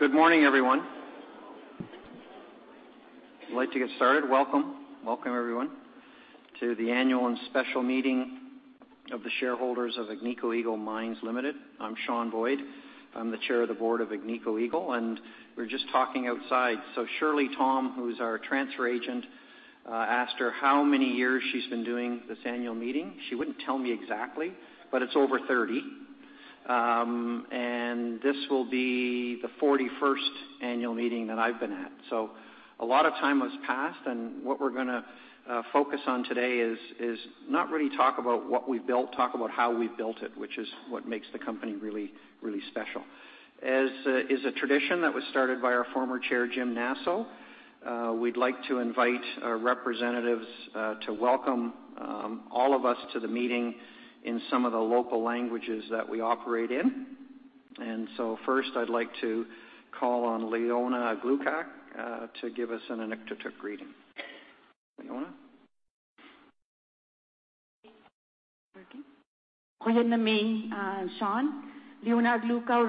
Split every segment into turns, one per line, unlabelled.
Good morning, everyone. I'd like to get started. Welcome. Welcome, everyone, to the annual and special meeting of the shareholders of Agnico Eagle Mines Limited. I'm Sean Boyd. I'm the Chair of the Board of Agnico Eagle, and we were just talking outside. So Shirley Tom, who's our transfer agent, asked her how many years she's been doing this annual meeting. She wouldn't tell me exactly, but it's over 30. And this will be the 41st annual meeting that I've been at. So a lot of time has passed, and what we're gonna focus on today is not really talk about what we've built, talk about how we built it, which is what makes the company really, really special. As is a tradition that was started by our former chair, Jim Nasso, we'd like to invite our representatives to welcome all of us to the meeting in some of the local languages that we operate in. So first, I'd like to call on Leona Aglukkaq to give us an Inuktitut greeting. Leona?...
Thank you, Sean. Leona Aglukkaq,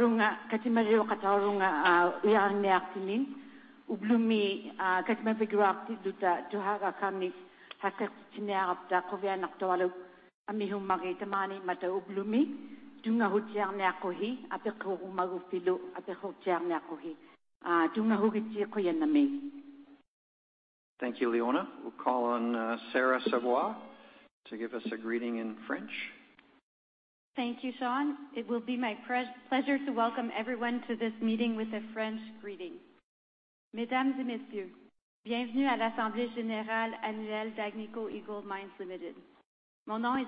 Thank you, Leona. We'll call on, Sarah Savoie to give us a greeting in French.
Thank you, Sean. It will be my pleasure to welcome everyone to this meeting with a French greeting.
Thank you,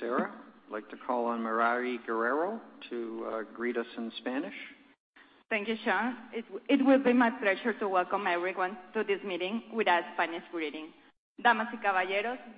Sarah. I'd like to call on Merari Guerrero to greet us in Spanish.
Thank you, Sean. It will be my pleasure to welcome everyone to this meeting with a Spanish greeting.
Thank you, Merari.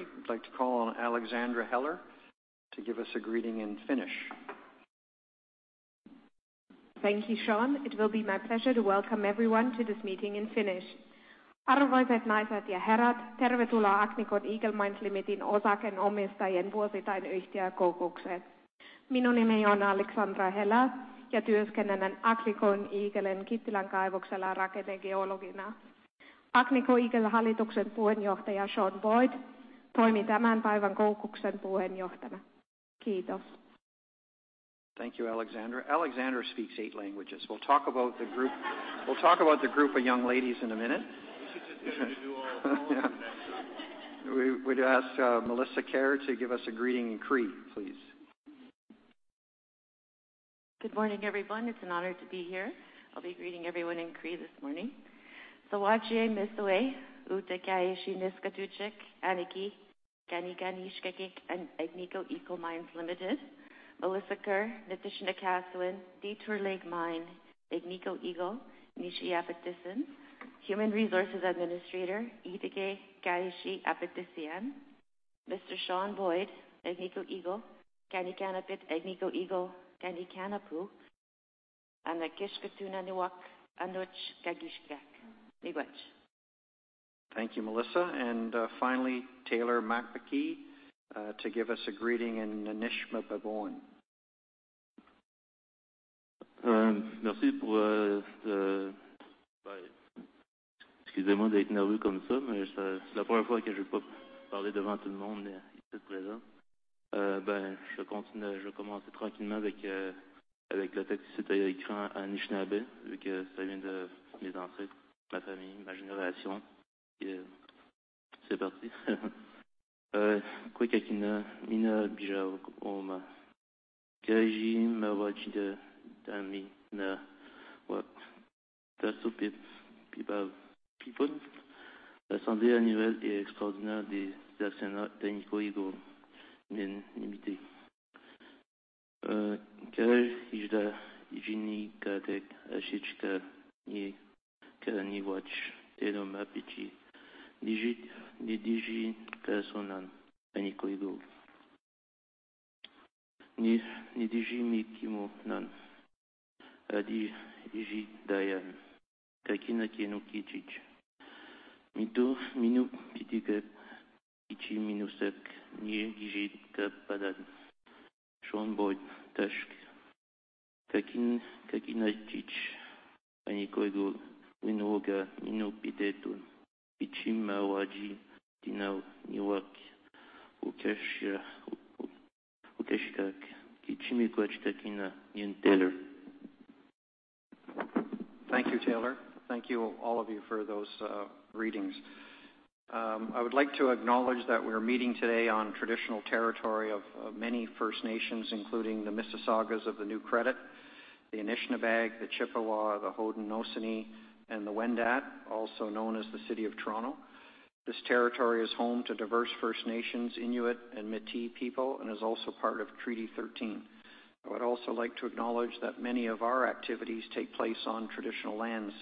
I'd like to call on Alexandra Heller to give us a greeting in Finnish. Thank you, Sean. It will be my pleasure to welcome everyone to this meeting in Finnish. Thank you, Alexandra. Alexandra speaks eight languages. We'll talk about the group of young ladies in a minute. We should just get her to do all of them next time. We'd ask Melissa Kerr to give us a greeting in Cree, please. Good morning, everyone. It's an honor to be here. I'll be greeting everyone in Cree this morning. Thank you, Melissa. And, finally, Taylor McPhee to give us a greeting in Anishinaabemowin.
Merci pour,
Thank you, Taylor. Thank you, all of you, for those readings. I would like to acknowledge that we're meeting today on traditional territory of many First Nations, including the Mississaugas of the New Credit, the Anishinaabeg, the Chippewa, the Haudenosaunee, and the Wendat, also known as the City of Toronto. This territory is home to diverse First Nations, Inuit, and Métis people, and is also part of Treaty 13. I would also like to acknowledge that many of our activities take place on traditional lands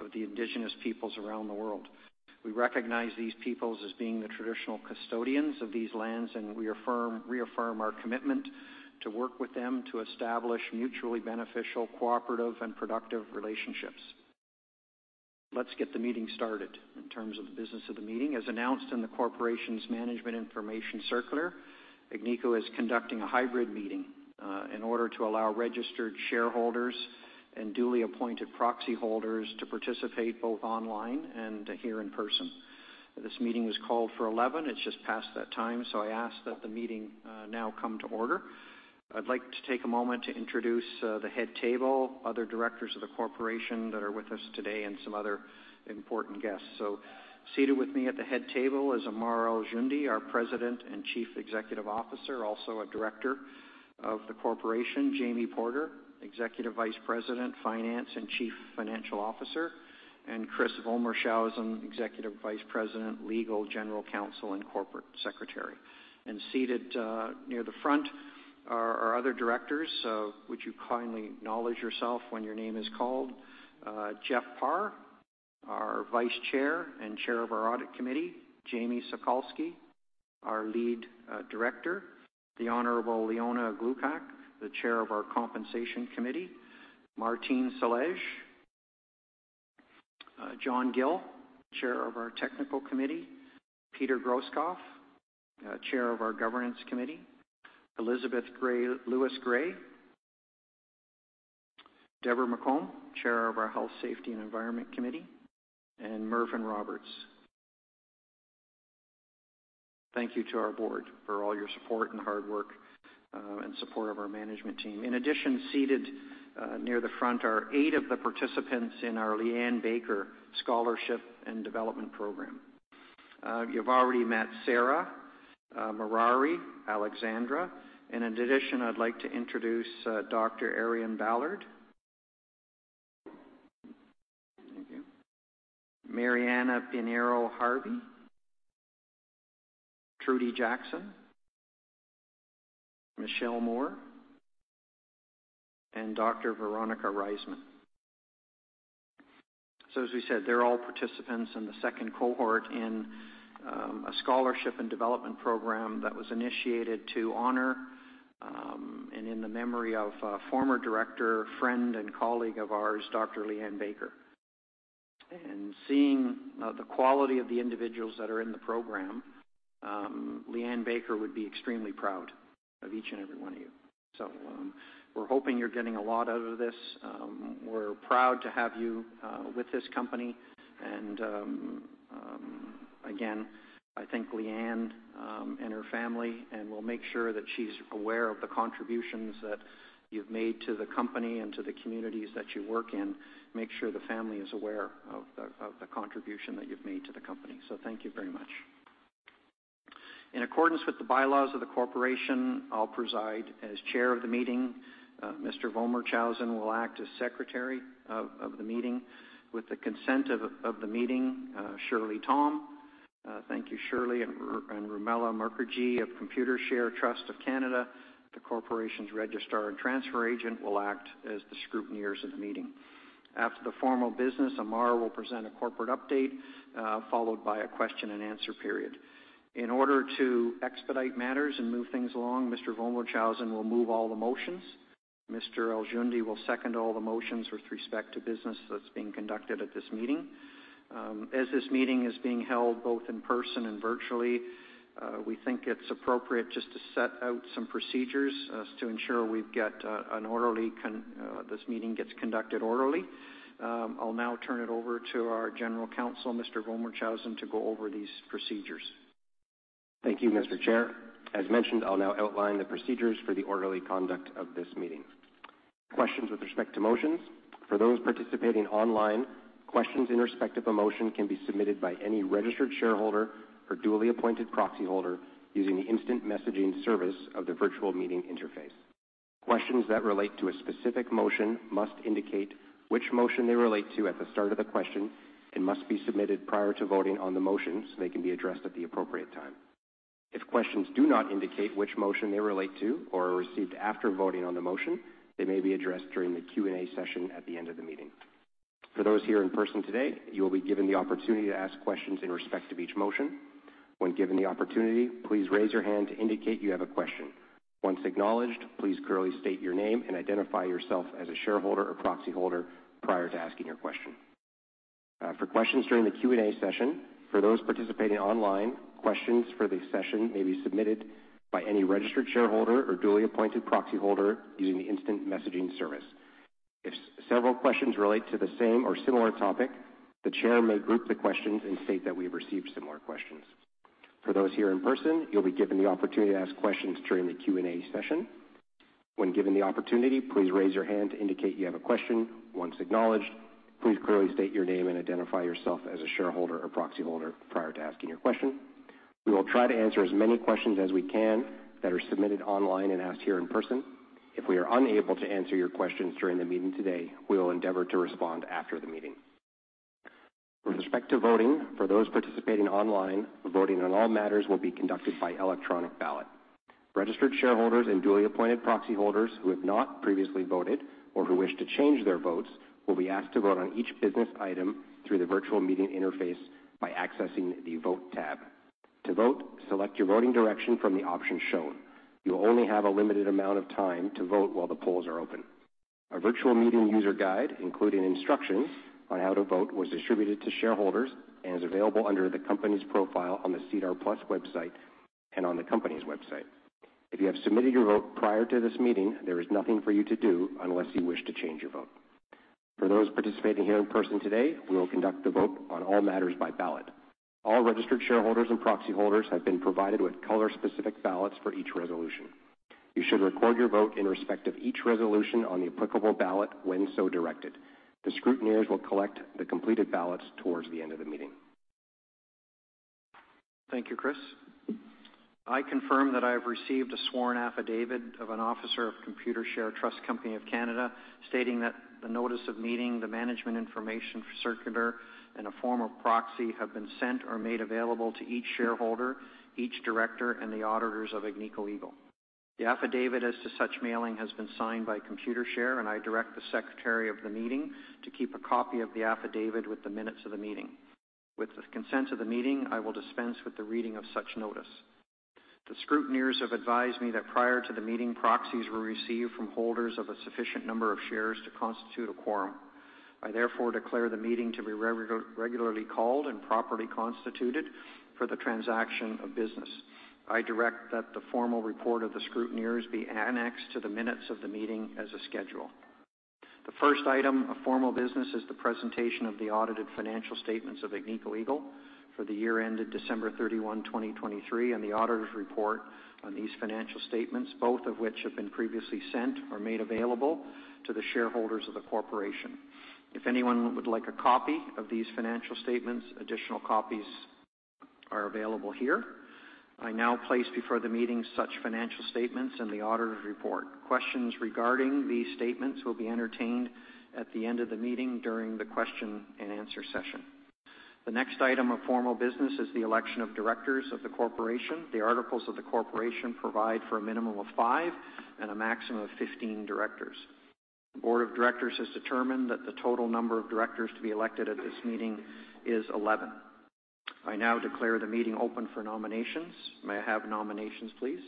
of the Indigenous peoples around the world. We recognize these peoples as being the traditional custodians of these lands, and we affirm, reaffirm our commitment to work with them to establish mutually beneficial, cooperative, and productive relationships. Let's get the meeting started. In terms of the business of the meeting, as announced in the corporation's Management Information Circular, Agnico is conducting a hybrid meeting, in order to allow registered shareholders and duly appointed proxy holders to participate both online and here in person. This meeting was called for 11; it's just past that time, so I ask that the meeting, now come to order. I'd like to take a moment to introduce, the head table, other directors of the corporation that are with us today, and some other important guests. So seated with me at the head table is Ammar Al-Joundi, our President and Chief Executive Officer, also a director of the corporation; Jamie Porter, Executive Vice President, Finance, and Chief Financial Officer; and Chris Vollmershausen, Executive Vice President, Legal, General Counsel, and Corporate Secretary. Seated near the front are our other directors, so would you kindly acknowledge yourself when your name is called? Jeff Parr, our Vice Chair and Chair of our Audit Committee, Jamie Sokalsky, our Lead Director, the Honorable Leona Aglukkaq, the Chair of our Compensation Committee, Martine Celej, John Gill, Chair of our Technical Committee, Peter Grosskopf, Chair of our Governance Committee, Elizabeth Lewis-Gray, Deborah McCombe, Chair of our Health, Safety and Environment Committee, and Merfyn Roberts. Thank you to our board for all your support and hard work, and support of our management team. In addition, seated near the front are eight of the participants in our Leanne Baker Scholarship and Development Program. You've already met Sarah, Merari, Alexandra, and in addition, I'd like to introduce Dr. Ariane Ballard. Thank you. Mariana Pinheiro Harvey, Trudy Jackson, Michelle Moore, and Dr. Veronica Reissmann. So, as we said, they're all participants in the second cohort in a scholarship and development program that was initiated to honor, and in the memory of a former director, friend, and colleague of ours, Dr. Leanne Baker. And seeing, the quality of the individuals that are in the program, Leanne Baker would be extremely proud of each and every one of you. So, we're hoping you're getting a lot out of this. We're proud to have you with this company, and again, I think Leanne and her family, and we'll make sure that she's aware of the contributions that you've made to the company and to the communities that you work in, make sure the family is aware of the contribution that you've made to the company. So thank you very much. In accordance with the bylaws of the corporation, I'll preside as chair of the meeting. Mr. Vollmershausen will act as Secretary of the meeting. With the consent of the meeting, Shirley Tom, thank you, Shirley, and Romella Mukherjee of Computershare Trust Company of Canada, the corporation's registrar and transfer agent, will act as the scrutineers of the meeting. After the formal business, Ammar will present a corporate update, followed by a question-and-answer period. In order to expedite matters and move things along, Mr. Vollmershausen will move all the motions. Mr. Al-Joundi will second all the motions with respect to business that's being conducted at this meeting. As this meeting is being held both in person and virtually, we think it's appropriate just to set out some procedures to ensure this meeting gets conducted orderly. I'll now turn it over to our General Counsel, Mr. Vollmershausen, to go over these procedures.
Thank you, Mr. Chair. As mentioned, I'll now outline the procedures for the orderly conduct of this meeting. Questions with respect to motions. For those participating online, questions in respect of a motion can be submitted by any registered shareholder or duly appointed proxy holder using the instant messaging service of the virtual meeting interface. Questions that relate to a specific motion must indicate which motion they relate to at the start of the question and must be submitted prior to voting on the motion, so they can be addressed at the appropriate time. If questions do not indicate which motion they relate to or are received after voting on the motion, they may be addressed during the Q&A session at the end of the meeting. For those here in person today, you will be given the opportunity to ask questions in respect of each motion. When given the opportunity, please raise your hand to indicate you have a question. Once acknowledged, please clearly state your name and identify yourself as a shareholder or proxy holder prior to asking your question. For questions during the Q&A session, for those participating online, questions for the session may be submitted by any registered shareholder or duly appointed proxy holder using the instant messaging service. If several questions relate to the same or similar topic, the chair may group the questions and state that we have received similar questions. For those here in person, you'll be given the opportunity to ask questions during the Q&A session. When given the opportunity, please raise your hand to indicate you have a question. Once acknowledged, please clearly state your name and identify yourself as a shareholder or proxy holder prior to asking your question. We will try to answer as many questions as we can that are submitted online and asked here in person. If we are unable to answer your questions during the meeting today, we will endeavor to respond after the meeting. With respect to voting, for those participating online, voting on all matters will be conducted by electronic ballot. Registered shareholders and duly appointed proxy holders who have not previously voted or who wish to change their votes, will be asked to vote on each business item through the virtual meeting interface by accessing the Vote tab. To vote, select your voting direction from the options shown. You'll only have a limited amount of time to vote while the polls are open. Our virtual meeting user guide, including instructions on how to vote, was distributed to shareholders and is available under the company's profile on the SEDAR+ website and on the company's website. If you have submitted your vote prior to this meeting, there is nothing for you to do unless you wish to change your vote. For those participating here in person today, we will conduct the vote on all matters by ballot. All registered shareholders and proxy holders have been provided with color-specific ballots for each resolution. You should record your vote in respect of each resolution on the applicable ballot when so directed. The scrutineers will collect the completed ballots towards the end of the meeting.
Thank you, Chris. I confirm that I have received a sworn affidavit of an officer of Computershare Trust Company of Canada, stating that the Notice of Meeting, the Management Information Circular, and a form of proxy have been sent or made available to each shareholder, each director, and the auditors of Agnico Eagle. The affidavit, as to such mailing, has been signed by Computershare, and I direct the secretary of the meeting to keep a copy of the affidavit with the minutes of the meeting. With the consent of the meeting, I will dispense with the reading of such notice. The scrutineers have advised me that prior to the meeting, proxies were received from holders of a sufficient number of shares to constitute a quorum. I therefore declare the meeting to be regularly called and properly constituted for the transaction of business. I direct that the formal report of the scrutineers be annexed to the minutes of the meeting as a schedule. The first item of formal business is the presentation of the audited financial statements of Agnico Eagle for the year ended December 31, 2023, and the auditor's report on these financial statements, both of which have been previously sent or made available to the shareholders of the corporation. If anyone would like a copy of these financial statements, additional copies are available here. I now place before the meeting such financial statements and the auditor's report. Questions regarding these statements will be entertained at the end of the meeting during the question and answer session. The next item of formal business is the election of directors of the corporation. The articles of the corporation provide for a minimum of 5 and a maximum of 15 directors. The board of directors has determined that the total number of directors to be elected at this meeting is 11. I now declare the meeting open for nominations. May I have nominations, please?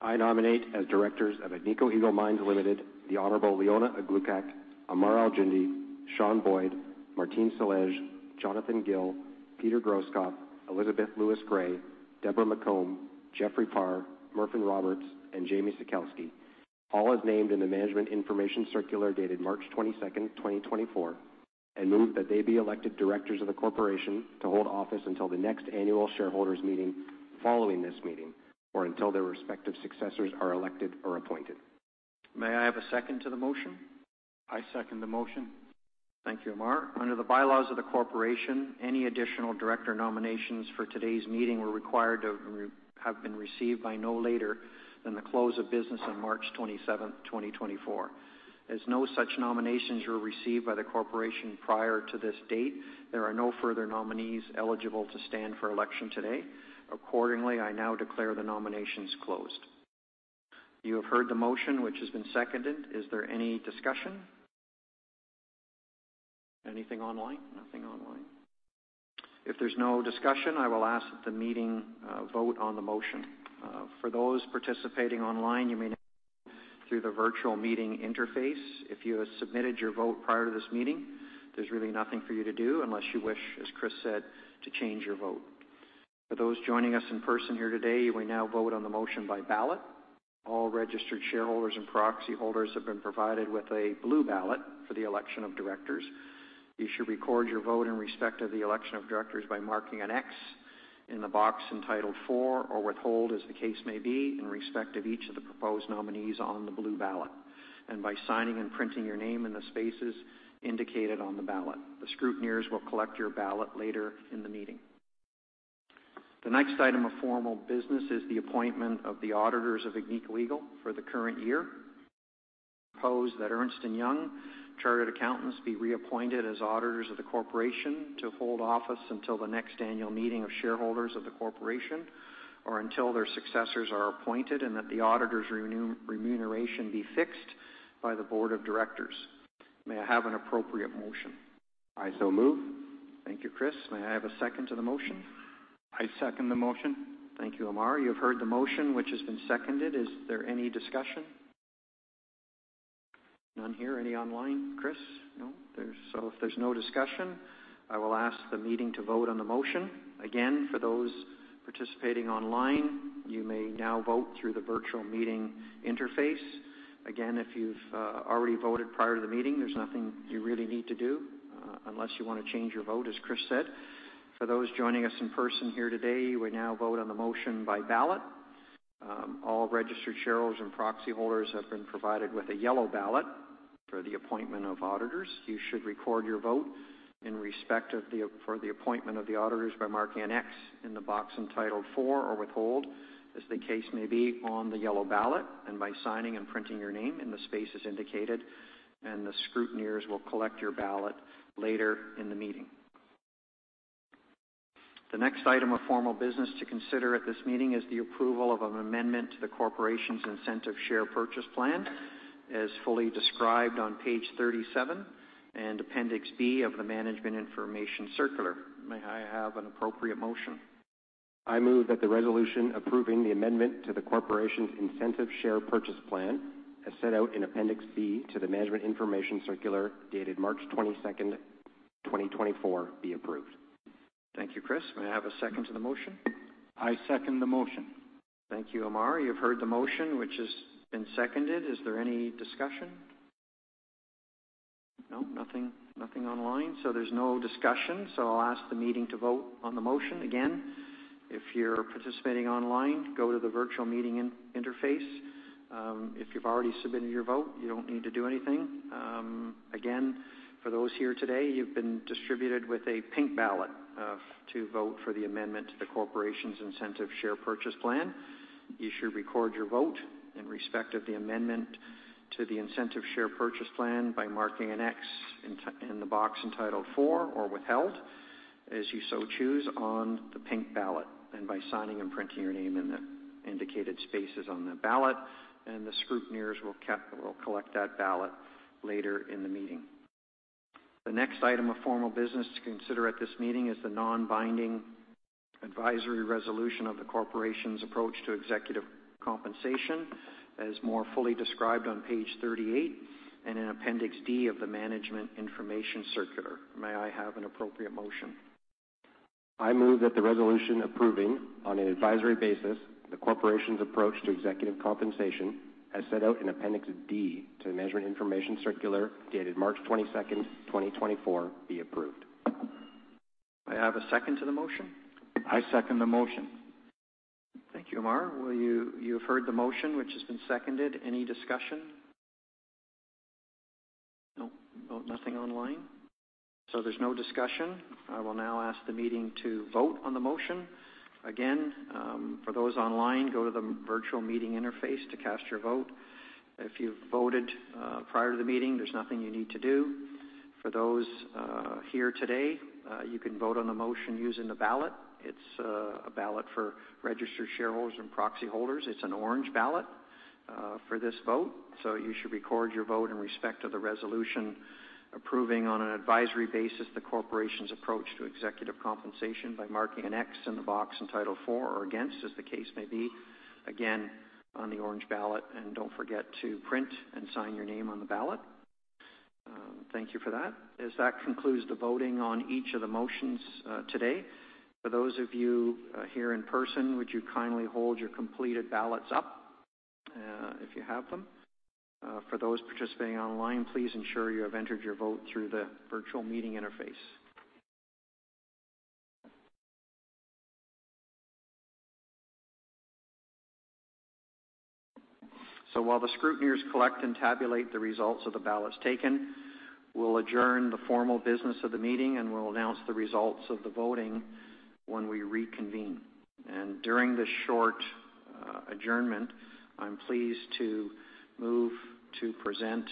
I nominate as directors of Agnico Eagle Mines Limited, the Honorable Leona Aglukkaq, Ammar Al-Joundi, Sean Boyd, Martine Celej, Jonathan Gill, Peter Grosskopf, Elizabeth Lewis-Gray, Deborah McCombe, Jeffrey Parr, J. Merfyn Roberts, and Jamie Sokalsky, all as named in the Management Information Circular, dated March 22, 2024, and move that they be elected directors of the corporation to hold office until the next annual shareholders meeting following this meeting, or until their respective successors are elected or appointed.
May I have a second to the motion?
I second the motion.
Thank you, Ammar. Under the bylaws of the corporation, any additional director nominations for today's meeting were required to have been received by no later than the close of business on March twenty-seventh, 2024. As no such nominations were received by the corporation prior to this date, there are no further nominees eligible to stand for election today. Accordingly, I now declare the nominations closed. You have heard the motion, which has been seconded. Is there any discussion? Anything online? Nothing online. If there's no discussion, I will ask the meeting vote on the motion. For those participating online, you may now through the virtual meeting interface. If you have submitted your vote prior to this meeting, there's really nothing for you to do unless you wish, as Chris said, to change your vote. For those joining us in person here today, we now vote on the motion by ballot. All registered shareholders and proxy holders have been provided with a blue ballot for the election of directors. You should record your vote in respect of the election of directors by marking an X in the box entitled For or Withhold, as the case may be, in respect of each of the proposed nominees on the blue ballot, and by signing and printing your name in the spaces indicated on the ballot. The scrutineers will collect your ballot later in the meeting. The next item of formal business is the appointment of the auditors of Agnico Eagle for the current year. Propose that Ernst & Young Chartered Accountants be reappointed as auditors of the corporation to hold office until the next annual meeting of shareholders of the corporation or until their successors are appointed, and that the auditors' remuneration be fixed by the board of directors. May I have an appropriate motion?
I so move.
Thank you, Chris. May I have a second to the motion?
I second the motion.
Thank you, Ammar. You have heard the motion, which has been seconded. Is there any discussion? None here. Any online, Chris? No. So if there's no discussion, I will ask the meeting to vote on the motion. Again, for those participating online, you may now vote through the virtual meeting interface. Again, if you've already voted prior to the meeting, there's nothing you really need to do, unless you wanna change your vote, as Chris said. For those joining us in person here today, we now vote on the motion by ballot. All registered shareholders and proxy holders have been provided with a yellow ballot for the appointment of auditors. You should record your vote in respect of the for the appointment of the auditors by marking an X in the box entitled For or Withhold, as the case may be, on the yellow ballot, and by signing and printing your name in the spaces indicated, and the scrutineers will collect your ballot later in the meeting. The next item of formal business to consider at this meeting is the approval of an amendment to the corporation's incentive share purchase plan, as fully described on page 37 and Appendix B of the Management Information Circular. May I have an appropriate motion?
I move that the resolution approving the amendment to the corporation's incentive share purchase plan, as set out in Appendix B to the Management Information Circular, dated March 22, 2024, be approved.
Thank you, Chris. May I have a second to the motion?
I second the motion.
Thank you, Ammar. You've heard the motion, which has been seconded. Is there any discussion? No, nothing, nothing online, so there's no discussion. So I'll ask the meeting to vote on the motion. Again, if you're participating online, go to the virtual meeting interface. If you've already submitted your vote, you don't need to do anything. Again, for those here today, you've been distributed with a pink ballot to vote for the amendment to the corporation's Incentive Share Purchase Plan. You should record your vote in respect of the amendment to the Incentive Share Purchase Plan by marking an X in the box entitled For or Withheld, as you so choose, on the pink ballot, and by signing and printing your name in the indicated spaces on the ballot, and the scrutineers will collect that ballot later in the meeting. The next item of formal business to consider at this meeting is the non-binding advisory resolution of the corporation's approach to executive compensation, as more fully described on page 38 and in Appendix D of the Management Information Circular. May I have an appropriate motion?
I move that the resolution approving, on an advisory basis, the corporation's approach to executive compensation, as set out in Appendix D to the Management Information Circular, dated March 22nd, 2024, be approved.
May I have a second to the motion?
I second the motion.
Thank you, Ammar. Well, you've heard the motion, which has been seconded. Any discussion? No, no, nothing online, so there's no discussion. I will now ask the meeting to vote on the motion. Again, for those online, go to the virtual meeting interface to cast your vote. If you've voted prior to the meeting, there's nothing you need to do. For those here today, you can vote on the motion using the ballot. It's a ballot for registered shareholders and proxy holders. It's an orange ballot for this vote. So you should record your vote in respect to the resolution approving, on an advisory basis, the corporation's approach to executive compensation by marking an X in the box entitled For or Against, as the case may be, again, on the orange ballot. Don't forget to print and sign your name on the ballot. Thank you for that. As that concludes the voting on each of the motions today, for those of you here in person, would you kindly hold your completed ballots up if you have them? For those participating online, please ensure you have entered your vote through the virtual meeting interface. So while the scrutineers collect and tabulate the results of the ballots taken, we'll adjourn the formal business of the meeting, and we'll announce the results of the voting when we reconvene. And during this short adjournment, I'm pleased to move to present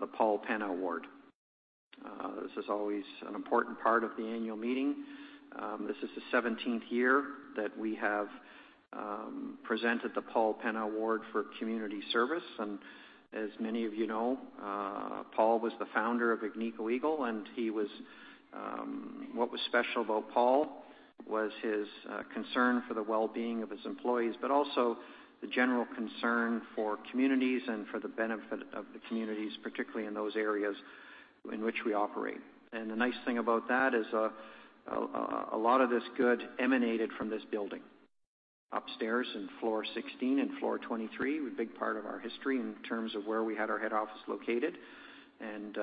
the Paul Penna Award. This is always an important part of the annual meeting. This is the seventeenth year that we have presented the Paul Penna Award for Community Service. And as many of you know, Paul was the founder of Agnico Eagle, and he was. What was special about Paul was his concern for the well-being of his employees, but also the general concern for communities and for the benefit of the communities, particularly in those areas in which we operate. And the nice thing about that is, a lot of this good emanated from this building, upstairs in floor 16 and floor 23, a big part of our history in terms of where we had our head office located, and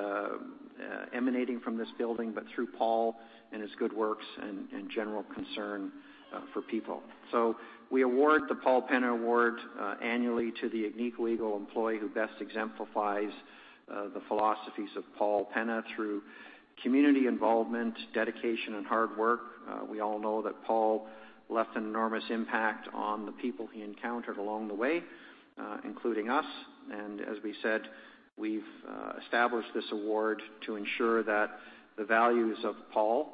emanating from this building, but through Paul and his good works and general concern for people. So we award the Paul Penna Award annually to the Agnico Eagle employee who best exemplifies the philosophies of Paul Penna through community involvement, dedication, and hard work. We all know that Paul left an enormous impact on the people he encountered along the way, including us. And as we said, we've established this award to ensure that the values of Paul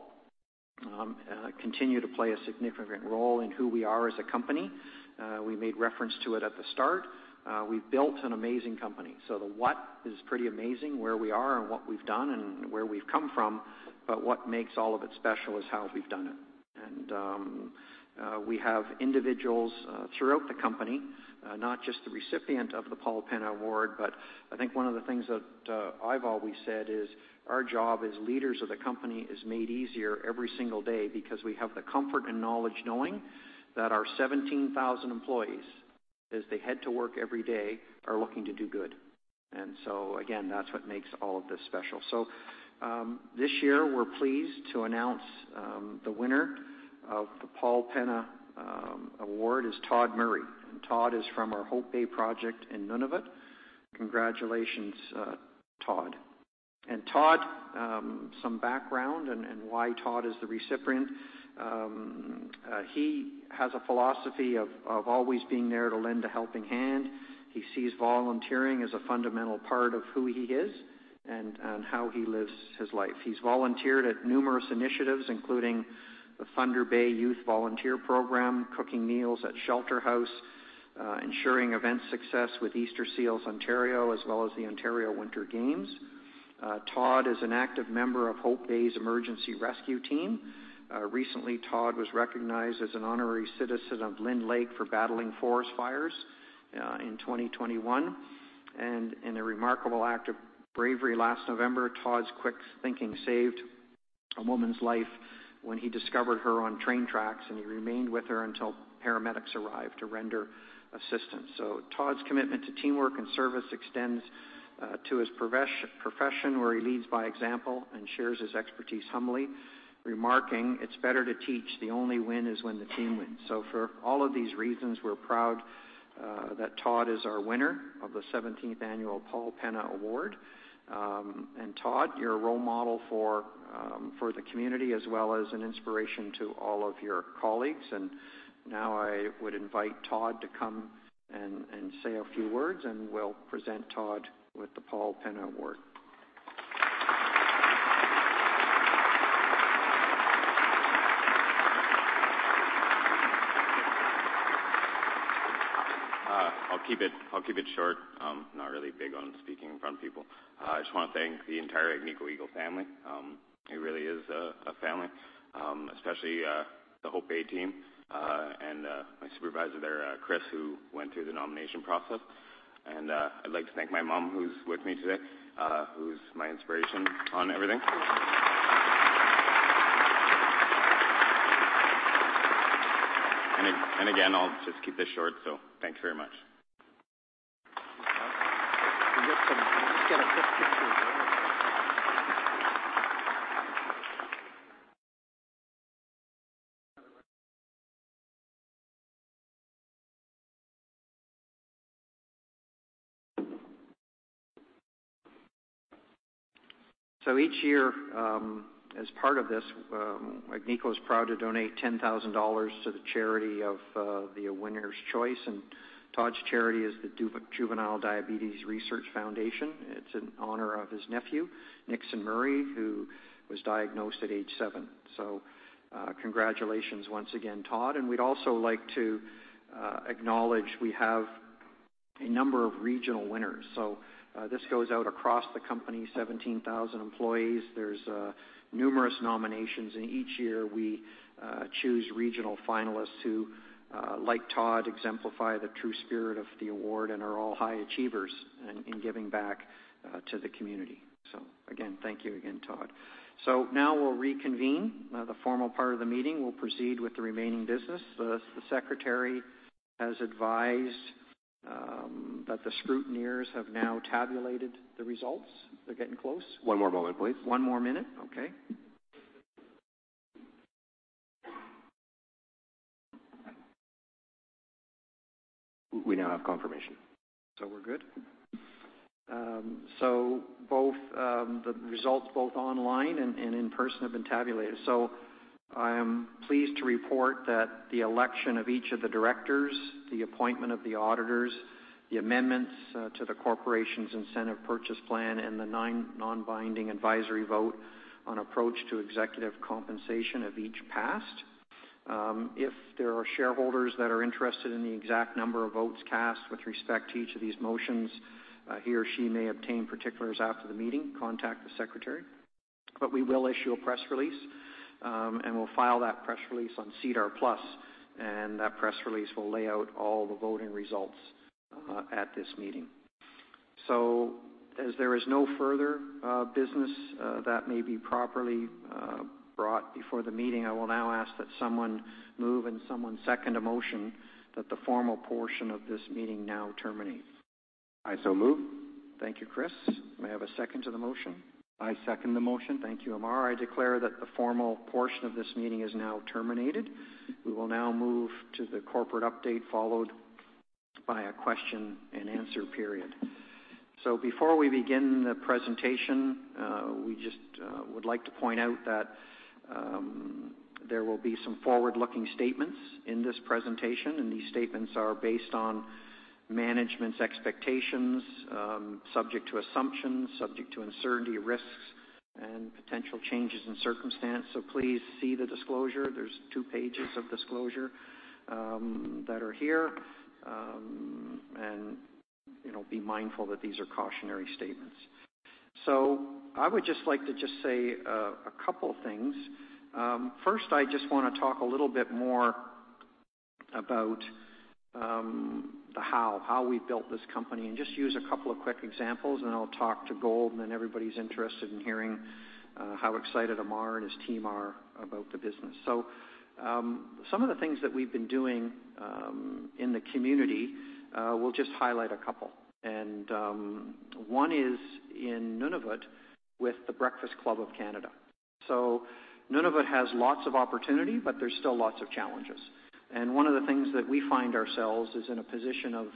continue to play a significant role in who we are as a company. We made reference to it at the start. We've built an amazing company, so the what is pretty amazing, where we are and what we've done and where we've come from, but what makes all of it special is how we've done it. And we have individuals throughout the company, not just the recipient of the Paul Penna Award. But I think one of the things that I've always said is, our job as leaders of the company is made easier every single day because we have the comfort and knowledge knowing that our 17,000 employees, as they head to work every day, are looking to do good. And so again, that's what makes all of this special. So, this year, we're pleased to announce the winner of the Paul Penna Award is Todd Murray, and Todd is from our Hope Bay project in Nunavut. Congratulations, Todd. And Todd, some background and why Todd is the recipient. He has a philosophy of always being there to lend a helping hand. He sees volunteering as a fundamental part of who he is and how he lives his life. He's volunteered at numerous initiatives, including the Thunder Bay Youth Volunteer Program, cooking meals at Shelter House, ensuring event success with Easter Seals Ontario, as well as the Ontario Winter Games. Todd is an active member of Hope Bay's Emergency Rescue Team. Recently, Todd was recognized as an honorary citizen of Lynn Lake for battling forest fires in 2021. In a remarkable act of bravery last November, Todd's quick thinking saved a woman's life when he discovered her on train tracks, and he remained with her until paramedics arrived to render assistance. Todd's commitment to teamwork and service extends to his profession, where he leads by example and shares his expertise humbly, remarking, "It's better to teach. The only win is when the team wins." So for all of these reasons, we're proud that Todd is our winner of the 17th annual Paul Penna Award. And Todd, you're a role model for the community, as well as an inspiration to all of your colleagues. And now I would invite Todd to come and say a few words, and we'll present Todd with the Paul Penna Award.
I'll keep it, I'll keep it short. Not really big on speaking in front of people. I just wanna thank the entire Agnico Eagle family. It really is a family, especially the Hope Bay team and my supervisor there, Chris, who went through the nomination process. I'd like to thank my mom, who's with me today, who's my inspiration on everything. And again, I'll just keep this short, so thanks very much.
So each year, as part of this, Agnico is proud to donate $10,000 to the charity of the winner's choice, and Todd's charity is the Juvenile Diabetes Research Foundation. It's in honor of his nephew, Nixon Murray, who was diagnosed at age seven. So, congratulations once again, Todd. And we'd also like to acknowledge we have a number of regional winners. So, this goes out across the company, 17,000 employees. There's numerous nominations, and each year we choose regional finalists who, like Todd, exemplify the true spirit of the award and are all high achievers in giving back to the community. So again, thank you again, Todd. So now we'll reconvene. The formal part of the meeting will proceed with the remaining business. The secretary has advised that the scrutineers have now tabulated the results. They're getting close?
One more moment, please.
One more minute? Okay.
We now have confirmation.
So we're good? So both the results, both online and in person, have been tabulated. So I am pleased to report that the election of each of the directors, the appointment of the auditors, the amendments to the corporation's incentive purchase plan, and the nine non-binding advisory vote on approach to executive compensation of each, passed. If there are shareholders that are interested in the exact number of votes cast with respect to each of these motions, he or she may obtain particulars after the meeting, contact the secretary. But we will issue a press release, and we'll file that press release on SEDAR+, and that press release will lay out all the voting results at this meeting. So as there is no further business that may be properly brought before the meeting, I will now ask that someone move and someone second a motion that the formal portion of this meeting now terminate.
I so move.
Thank you, Chris. May I have a second to the motion?
I second the motion.
Thank you, Ammar. I declare that the formal portion of this meeting is now terminated. We will now move to the corporate update, followed by a question-and-answer period. So before we begin the presentation, we just would like to point out that there will be some forward-looking statements in this presentation, and these statements are based on management's expectations, subject to assumptions, subject to uncertainty, risks, and potential changes in circumstances. So please see the disclosure. There's two pages of disclosure that are here. And, you know, be mindful that these are cautionary statements. So I would just like to just say a couple things. First, I just wanna talk a little bit more about the how we built this company, and just use a couple of quick examples, and I'll talk to Gold, and then everybody's interested in hearing how excited Amar and his team are about the business. So, some of the things that we've been doing in the community, we'll just highlight a couple. And, one is in Nunavut with the Breakfast Club of Canada. So Nunavut has lots of opportunity, but there's still lots of challenges. And one of the things that we find ourselves is in a position of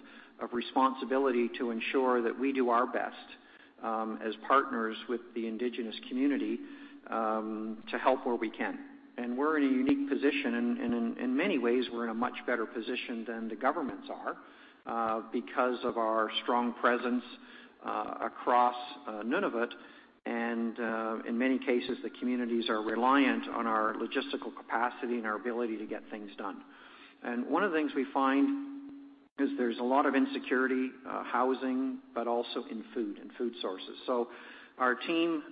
responsibility to ensure that we do our best as partners with the indigenous community to help where we can. We're in a unique position, and in many ways, we're in a much better position than the governments are because of our strong presence across Nunavut. In many cases, the communities are reliant on our logistical capacity and our ability to get things done. One of the things we find is there's a lot of insecurity, housing, but also in food and food sources. So our team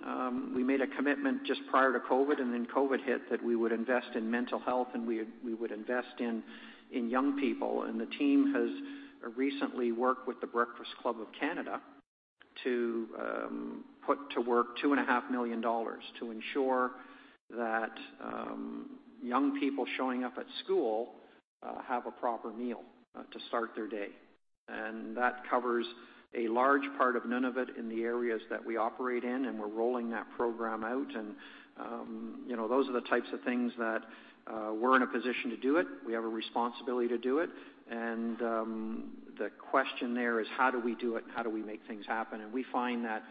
made a commitment just prior to COVID, and then COVID hit, that we would invest in mental health, and we would invest in young people. The team has recently worked with the Breakfast Club of Canada to put to work $2.5 million to ensure that young people showing up at school have a proper meal to start their day. And that covers a large part of Nunavut in the areas that we operate in, and we're rolling that program out. And, you know, those are the types of things that, we're in a position to do it. We have a responsibility to do it. And, the question there is: How do we do it? How do we make things happen? And we find that,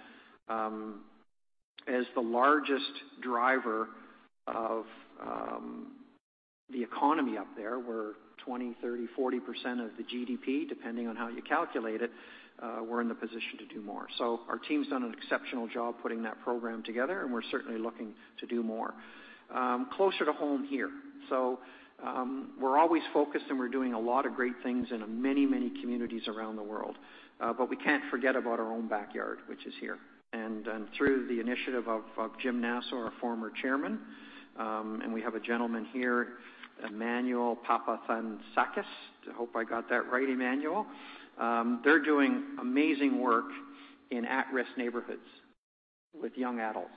as the largest driver of, the economy up there, we're 20, 30, 40% of the GDP, depending on how you calculate it, we're in the position to do more. So our team's done an exceptional job putting that program together, and we're certainly looking to do more. Closer to home here, so, we're always focused, and we're doing a lot of great things in many, many communities around the world, but we can't forget about our own backyard, which is here. And, through the initiative of Jim Nasso, our former chairman, and we have a gentleman here, Emmanuel Papathanasakis. I hope I got that right, Emmanuel. They're doing amazing work in at-risk neighborhoods with young adults,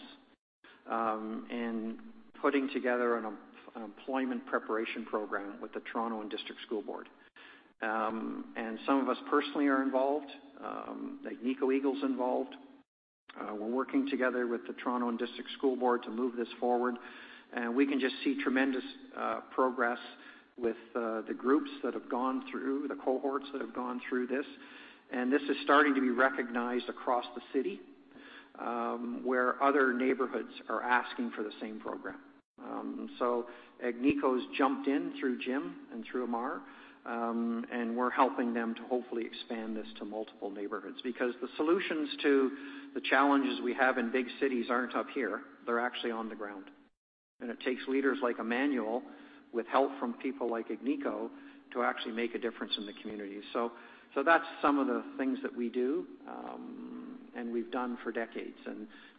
in putting together an employment preparation program with the Toronto District School Board. And some of us personally are involved, like Agnico Eagle is involved. We're working together with the Toronto District School Board to move this forward, and we can just see tremendous progress with the groups that have gone through, the cohorts that have gone through this. This is starting to be recognized across the city, where other neighborhoods are asking for the same program. So Agnico's jumped in through Jim and through Ammar, and we're helping them to hopefully expand this to multiple neighborhoods. Because the solutions to the challenges we have in big cities aren't up here, they're actually on the ground, and it takes leaders like Emmanuel, with help from people like Agnico, to actually make a difference in the community. So that's some of the things that we do, and we've done for decades.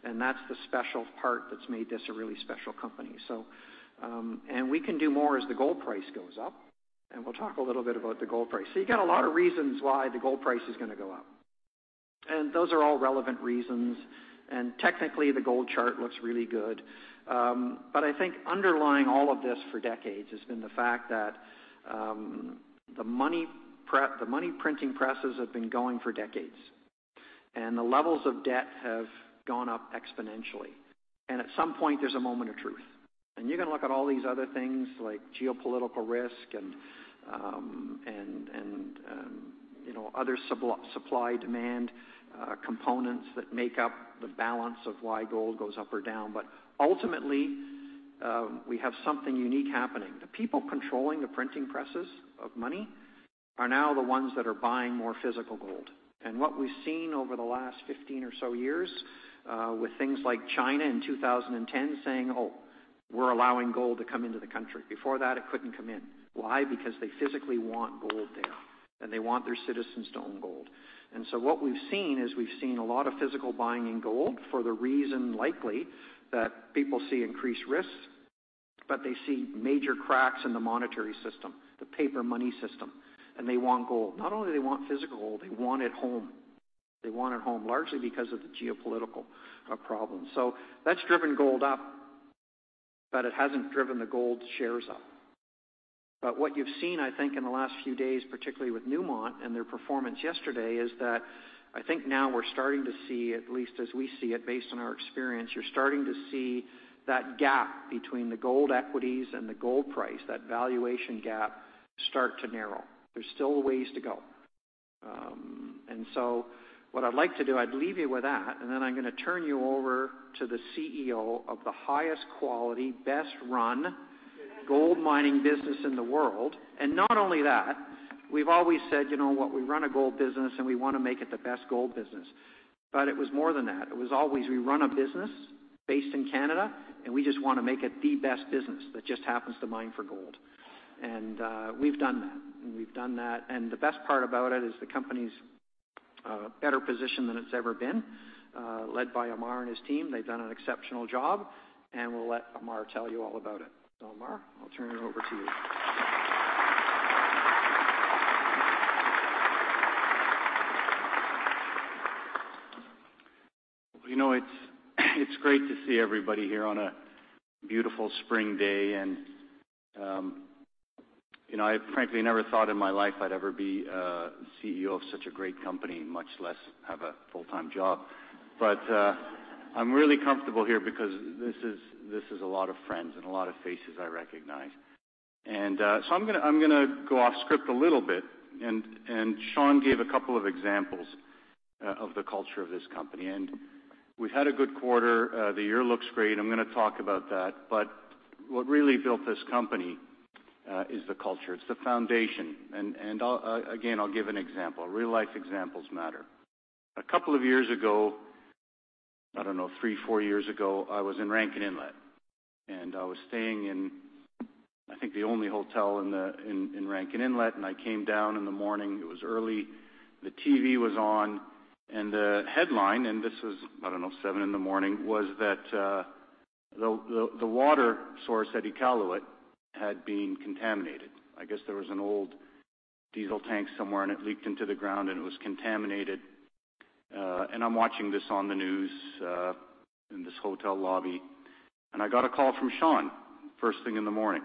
And that's the special part that's made this a really special company. So and we can do more as the gold price goes up, and we'll talk a little bit about the gold price. So you got a lot of reasons why the gold price is gonna go up, and those are all relevant reasons, and technically, the gold chart looks really good. But I think underlying all of this for decades has been the fact that the money printing presses have been going for decades, and the levels of debt have gone up exponentially. And at some point, there's a moment of truth, and you're gonna look at all these other things like geopolitical risk and you know, other supply, demand components that make up the balance of why gold goes up or down. But ultimately, we have something unique happening. The people controlling the printing presses of money are now the ones that are buying more physical gold. What we've seen over the last 15 or so years, with things like China in 2010, saying, "Oh, we're allowing gold to come into the country." Before that, it couldn't come in. Why? Because they physically want gold there, and they want their citizens to own gold. And so what we've seen is, we've seen a lot of physical buying in gold for the reason, likely, that people see increased risks, but they see major cracks in the monetary system, the paper money system, and they want gold. Not only they want physical gold, they want it home. They want it home largely because of the geopolitical, problem. So that's driven gold up, but it hasn't driven the gold shares up. But what you've seen, I think, in the last few days, particularly with Newmont and their performance yesterday, is that I think now we're starting to see, at least as we see it, based on our experience, you're starting to see that gap between the gold equities and the gold price, that valuation gap, start to narrow. There's still a ways to go. And so what I'd like to do, I'd leave you with that, and then I'm gonna turn you over to the CEO of the highest quality, best-run gold mining business in the world. And not only that, we've always said, you know what? We run a gold business, and we want to make it the best gold business. But it was more than that. It was always, "We run a business based in Canada, and we just want to make it the best business that just happens to mine for gold." We've done that, and we've done that. The best part about it is the company's better positioned than it's ever been, led by Amar and his team. They've done an exceptional job, and we'll let Amar tell you all about it. So, Amar, I'll turn it over to you. ...
Well, you know, it's great to see everybody here on a beautiful spring day, and, you know, I frankly never thought in my life I'd ever be a CEO of such a great company, much less have a full-time job. But, I'm really comfortable here because this is a lot of friends and a lot of faces I recognize. And, so I'm gonna go off script a little bit, and Sean gave a couple of examples of the culture of this company. And we've had a good quarter. The year looks great. I'm gonna talk about that. But what really built this company is the culture. It's the foundation, and I'll again give an example. Real-life examples matter. A couple of years ago, I don't know, 3, 4 years ago, I was in Rankin Inlet, and I was staying in, I think, the only hotel in Rankin Inlet, and I came down in the morning. It was early, the TV was on, and the headline, and this was, I don't know, 7:00 A.M., was that the water source at Iqaluit had been contaminated. I guess there was an old diesel tank somewhere, and it leaked into the ground, and it was contaminated. And I'm watching this on the news in this hotel lobby, and I got a call from Sean first thing in the morning.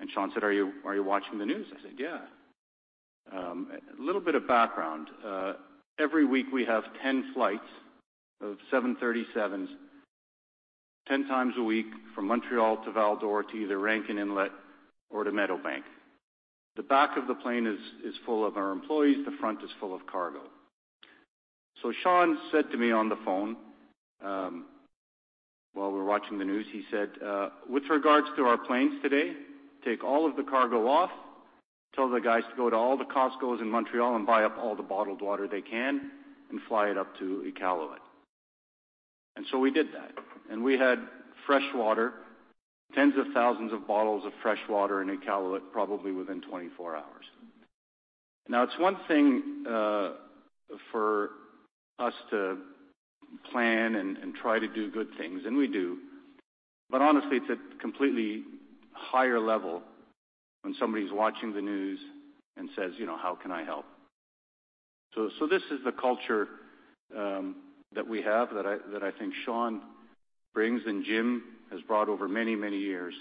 And Sean said, "Are you watching the news?" I said, "Yeah." A little bit of background. Every week, we have 10 flights of 737s, 10 times a week from Montreal to Val-d'Or to either Rankin Inlet or to Meadowbank. The back of the plane is full of our employees. The front is full of cargo. So Sean said to me on the phone, while we're watching the news, he said, "With regards to our planes today, take all of the cargo off. Tell the guys to go to all the Costcos in Montreal and buy up all the bottled water they can and fly it up to Iqaluit." And so we did that, and we had fresh water, tens of thousands of bottles of fresh water in Iqaluit, probably within 24 hours. Now, it's one thing for us to plan and try to do good things, and we do, but honestly, it's a completely higher level when somebody's watching the news and says, you know, "How can I help?" So this is the culture that we have, that I think Sean brings and Jim has brought over many, many years.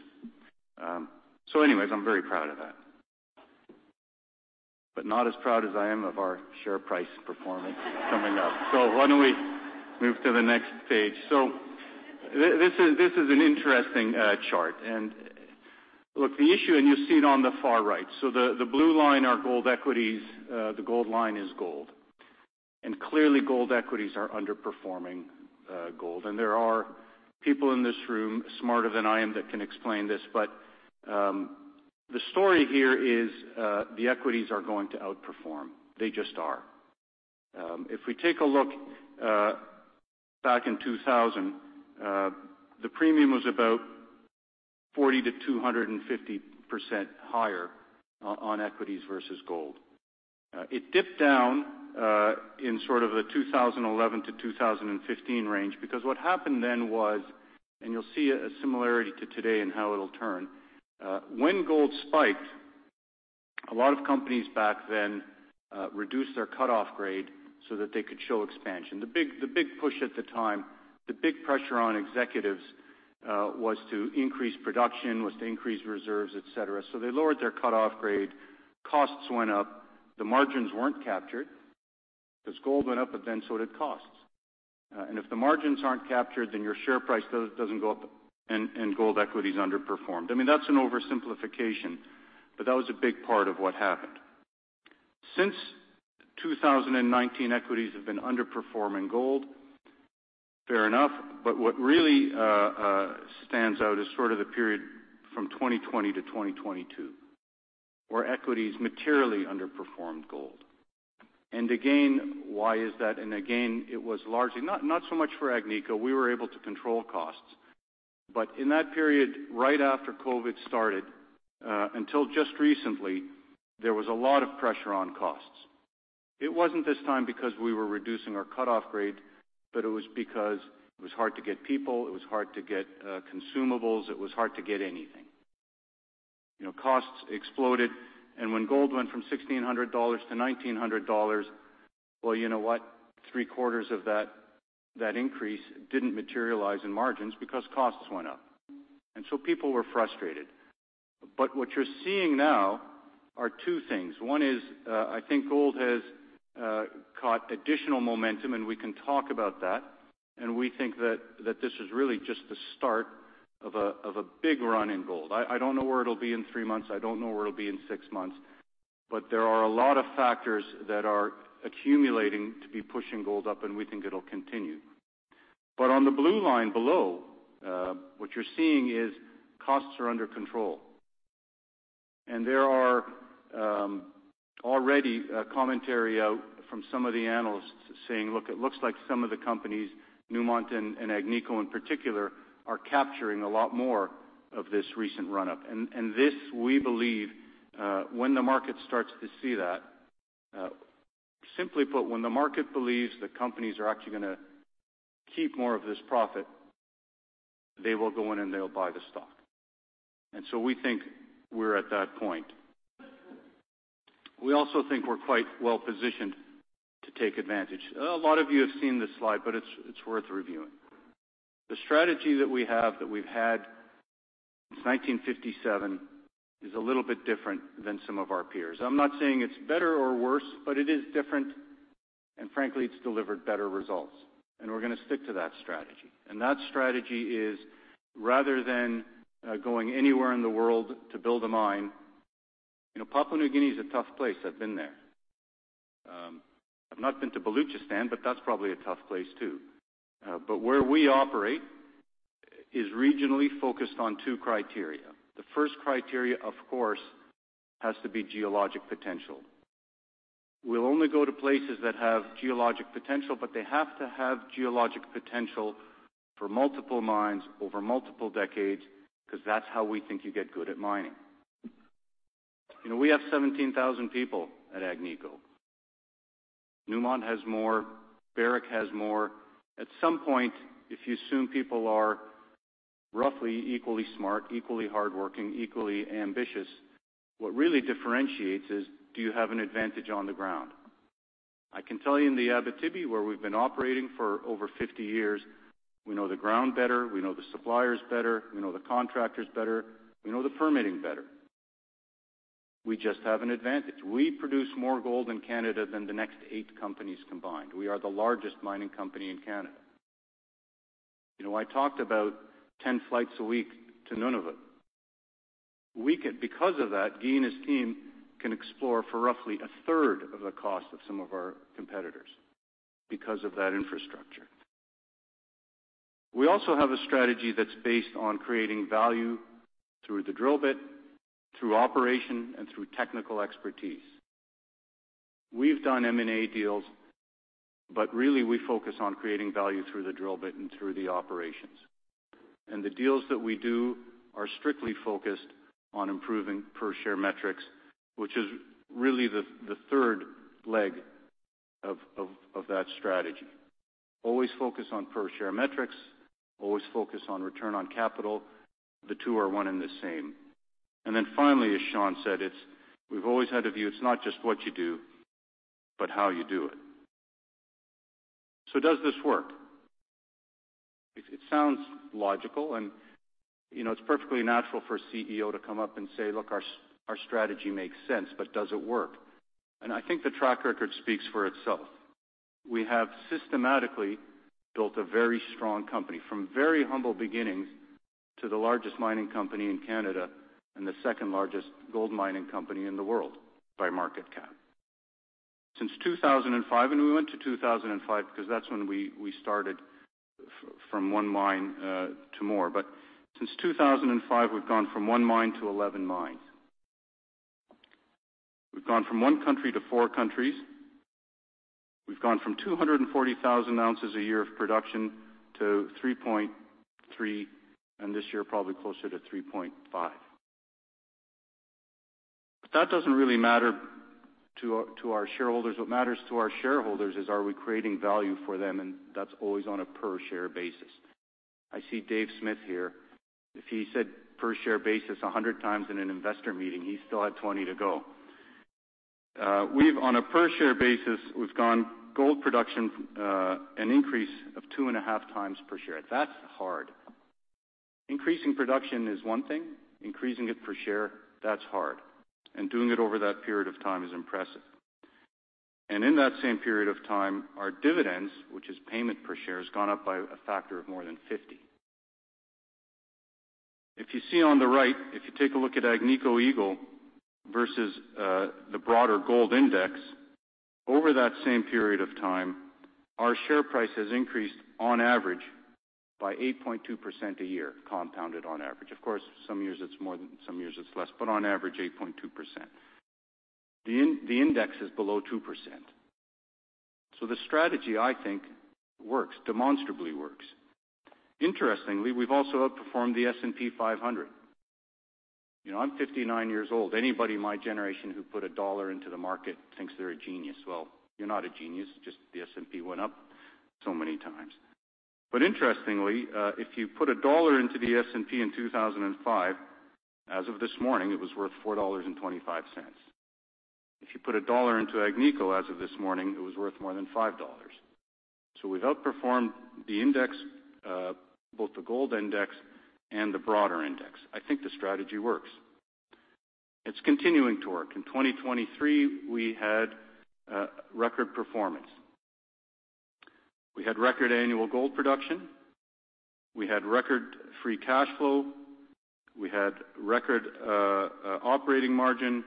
So anyways, I'm very proud of that, but not as proud as I am of our share price performance coming up. So why don't we move to the next page? So this is an interesting chart. Look, the issue, and you see it on the far right, so the blue line are gold equities, the gold line is gold. And clearly, gold equities are underperforming gold. There are people in this room smarter than I am that can explain this, but the story here is the equities are going to outperform. They just are. If we take a look back in 2000, the premium was about 40%-250% higher on equities versus gold. It dipped down in sort of the 2011-2015 range, because what happened then was, and you'll see a similarity to today in how it'll turn, when gold spiked, a lot of companies back then reduced their cut-off grade so that they could show expansion. The big push at the time, the big pressure on executives, was to increase production, was to increase reserves, et cetera. So they lowered their cut-off grade. Costs went up, the margins weren't captured, because gold went up, but then so did costs. And if the margins aren't captured, then your share price doesn't go up, and gold equities underperformed. I mean, that's an oversimplification, but that was a big part of what happened. Since 2019, equities have been underperforming gold. Fair enough, but what really stands out is sort of the period from 2020 to 2022, where equities materially underperformed gold. And again, why is that? And again, it was largely, not so much for Agnico. We were able to control costs. But in that period, right after COVID started, until just recently, there was a lot of pressure on costs. It wasn't this time because we were reducing our cut-off grade, but it was because it was hard to get people, it was hard to get, consumables, it was hard to get anything. You know, costs exploded, and when gold went from $1,600 to $1,900, well, you know what? Three-quarters of that, that increase didn't materialize in margins because costs went up, and so people were frustrated. But what you're seeing now are two things. One is, I think gold has caught additional momentum, and we can talk about that, and we think that, that this is really just the start of a, of a big run in gold. I, I don't know where it'll be in three months. I don't know where it'll be in six months, but there are a lot of factors that are accumulating to be pushing gold up, and we think it'll continue. But on the blue line below, what you're seeing is costs are under control. And there are already a commentary out from some of the analysts saying, "Look, it looks like some of the companies, Newmont and Agnico in particular, are capturing a lot more of this recent run-up." And this, we believe, when the market starts to see that, simply put, when the market believes that companies are actually gonna keep more of this profit they will go in and they'll buy the stock. And so we think we're at that point. We also think we're quite well positioned to take advantage. A lot of you have seen this slide, but it's worth reviewing. The strategy that we have, that we've had since 1957, is a little bit different than some of our peers. I'm not saying it's better or worse, but it is different, and frankly, it's delivered better results, and we're gonna stick to that strategy. And that strategy is, rather than going anywhere in the world to build a mine. You know, Papua New Guinea is a tough place. I've been there. I've not been to Balochistan, but that's probably a tough place, too. But where we operate is regionally focused on two criteria. The first criteria, of course, has to be geologic potential. We'll only go to places that have geologic potential, but they have to have geologic potential for multiple mines over multiple decades, 'cause that's how we think you get good at mining. You know, we have 17,000 people at Agnico. Newmont has more, Barrick has more. At some point, if you assume people are roughly equally smart, equally hardworking, equally ambitious, what really differentiates is, do you have an advantage on the ground? I can tell you in the Abitibi, where we've been operating for over 50 years, we know the ground better, we know the suppliers better, we know the contractors better, we know the permitting better. We just have an advantage. We produce more gold in Canada than the next eight companies combined. We are the largest mining company in Canada. You know, I talked about 10 flights a week to Nunavut. We can. Because of that, Guy and his team can explore for roughly a third of the cost of some of our competitors because of that infrastructure. We also have a strategy that's based on creating value through the drill bit, through operation, and through technical expertise. We've done M&A deals, but really, we focus on creating value through the drill bit and through the operations. And the deals that we do are strictly focused on improving per share metrics, which is really the, the third leg of, of, of that strategy. Always focus on per share metrics, always focus on return on capital. The two are one and the same. And then finally, as Sean said, it's. We've always had a view, it's not just what you do, but how you do it. So does this work? It sounds logical and, you know, it's perfectly natural for a CEO to come up and say, "Look, our strategy makes sense," but does it work? And I think the track record speaks for itself. We have systematically built a very strong company, from very humble beginnings to the largest mining company in Canada, and the second-largest gold mining company in the world by market cap. Since 2005, and we went to 2005 because that's when we started from 1 mine to more. But since 2005, we've gone from 1 mine to 11 mines. We've gone from 1 country to 4 countries. We've gone from 240,000 ounces a year of production to 3.3, and this year, probably closer to 3.5. That doesn't really matter to our, to our shareholders. What matters to our shareholders is, are we creating value for them? And that's always on a per share basis. I see Dave Smith here. If he said per share basis 100 times in an investor meeting, he still had 20 to go. We've on a per share basis, we've gone gold production, an increase of 2.5 times per share. That's hard. Increasing production is one thing, increasing it per share, that's hard, and doing it over that period of time is impressive. And in that same period of time, our dividends, which is payment per share, has gone up by a factor of more than 50. If you see on the right, if you take a look at Agnico Eagle versus the broader gold index, over that same period of time, our share price has increased on average by 8.2% a year, compounded on average. Of course, some years it's more than, some years it's less, but on average, 8.2%. The index is below 2%. So the strategy, I think, works, demonstrably works. Interestingly, we've also outperformed the S&P 500. You know, I'm 59 years old. Anybody in my generation who put $1 into the market thinks they're a genius. Well, you're not a genius, just the S&P went up so many times. But interestingly, if you put $1 into the S&P in 2005, as of this morning, it was worth $4.25. If you put $1 into Agnico as of this morning, it was worth more than $5. So we've outperformed the index, both the gold index and the broader index. I think the strategy works. It's continuing to work. In 2023, we had record performance. We had record annual gold production, we had record free cash flow, we had record operating margin,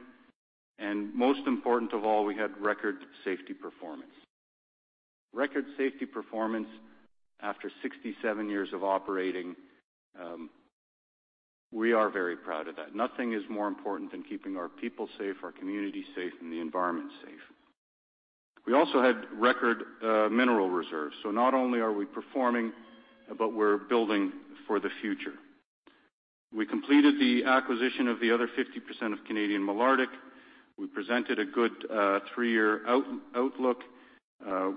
and most important of all, we had record safety performance. Record safety performance after 67 years of operating, we are very proud of that. Nothing is more important than keeping our people safe, our community safe, and the environment safe. We also had record mineral reserves, so not only are we performing, but we're building for the future.... We completed the acquisition of the other 50% of Canadian Malartic. We presented a good 3-year outlook.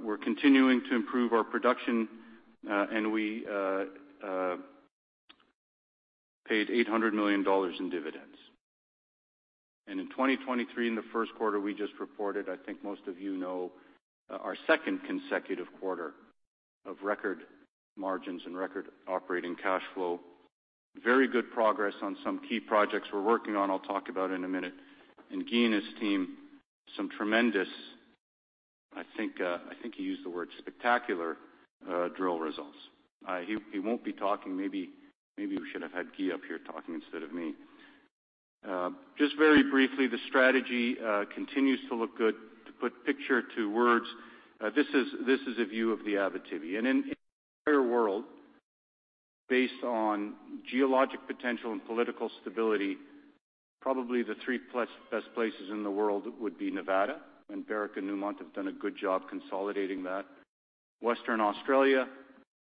We're continuing to improve our production, and we paid $800 million in dividends. And in 2023, in the first quarter, we just reported, I think most of you know, our second consecutive quarter of record margins and record operating cash flow. Very good progress on some key projects we're working on, I'll talk about in a minute. And Guy and his team, some tremendous, I think, I think he used the word spectacular, drill results. He won't be talking, maybe we should have had Guy up here talking instead of me. Just very briefly, the strategy continues to look good. To put picture to words, this is a view of the Abitibi. In the entire world, based on geologic potential and political stability, probably the three best places in the world would be Nevada, and Barrick and Newmont have done a good job consolidating that. Western Australia,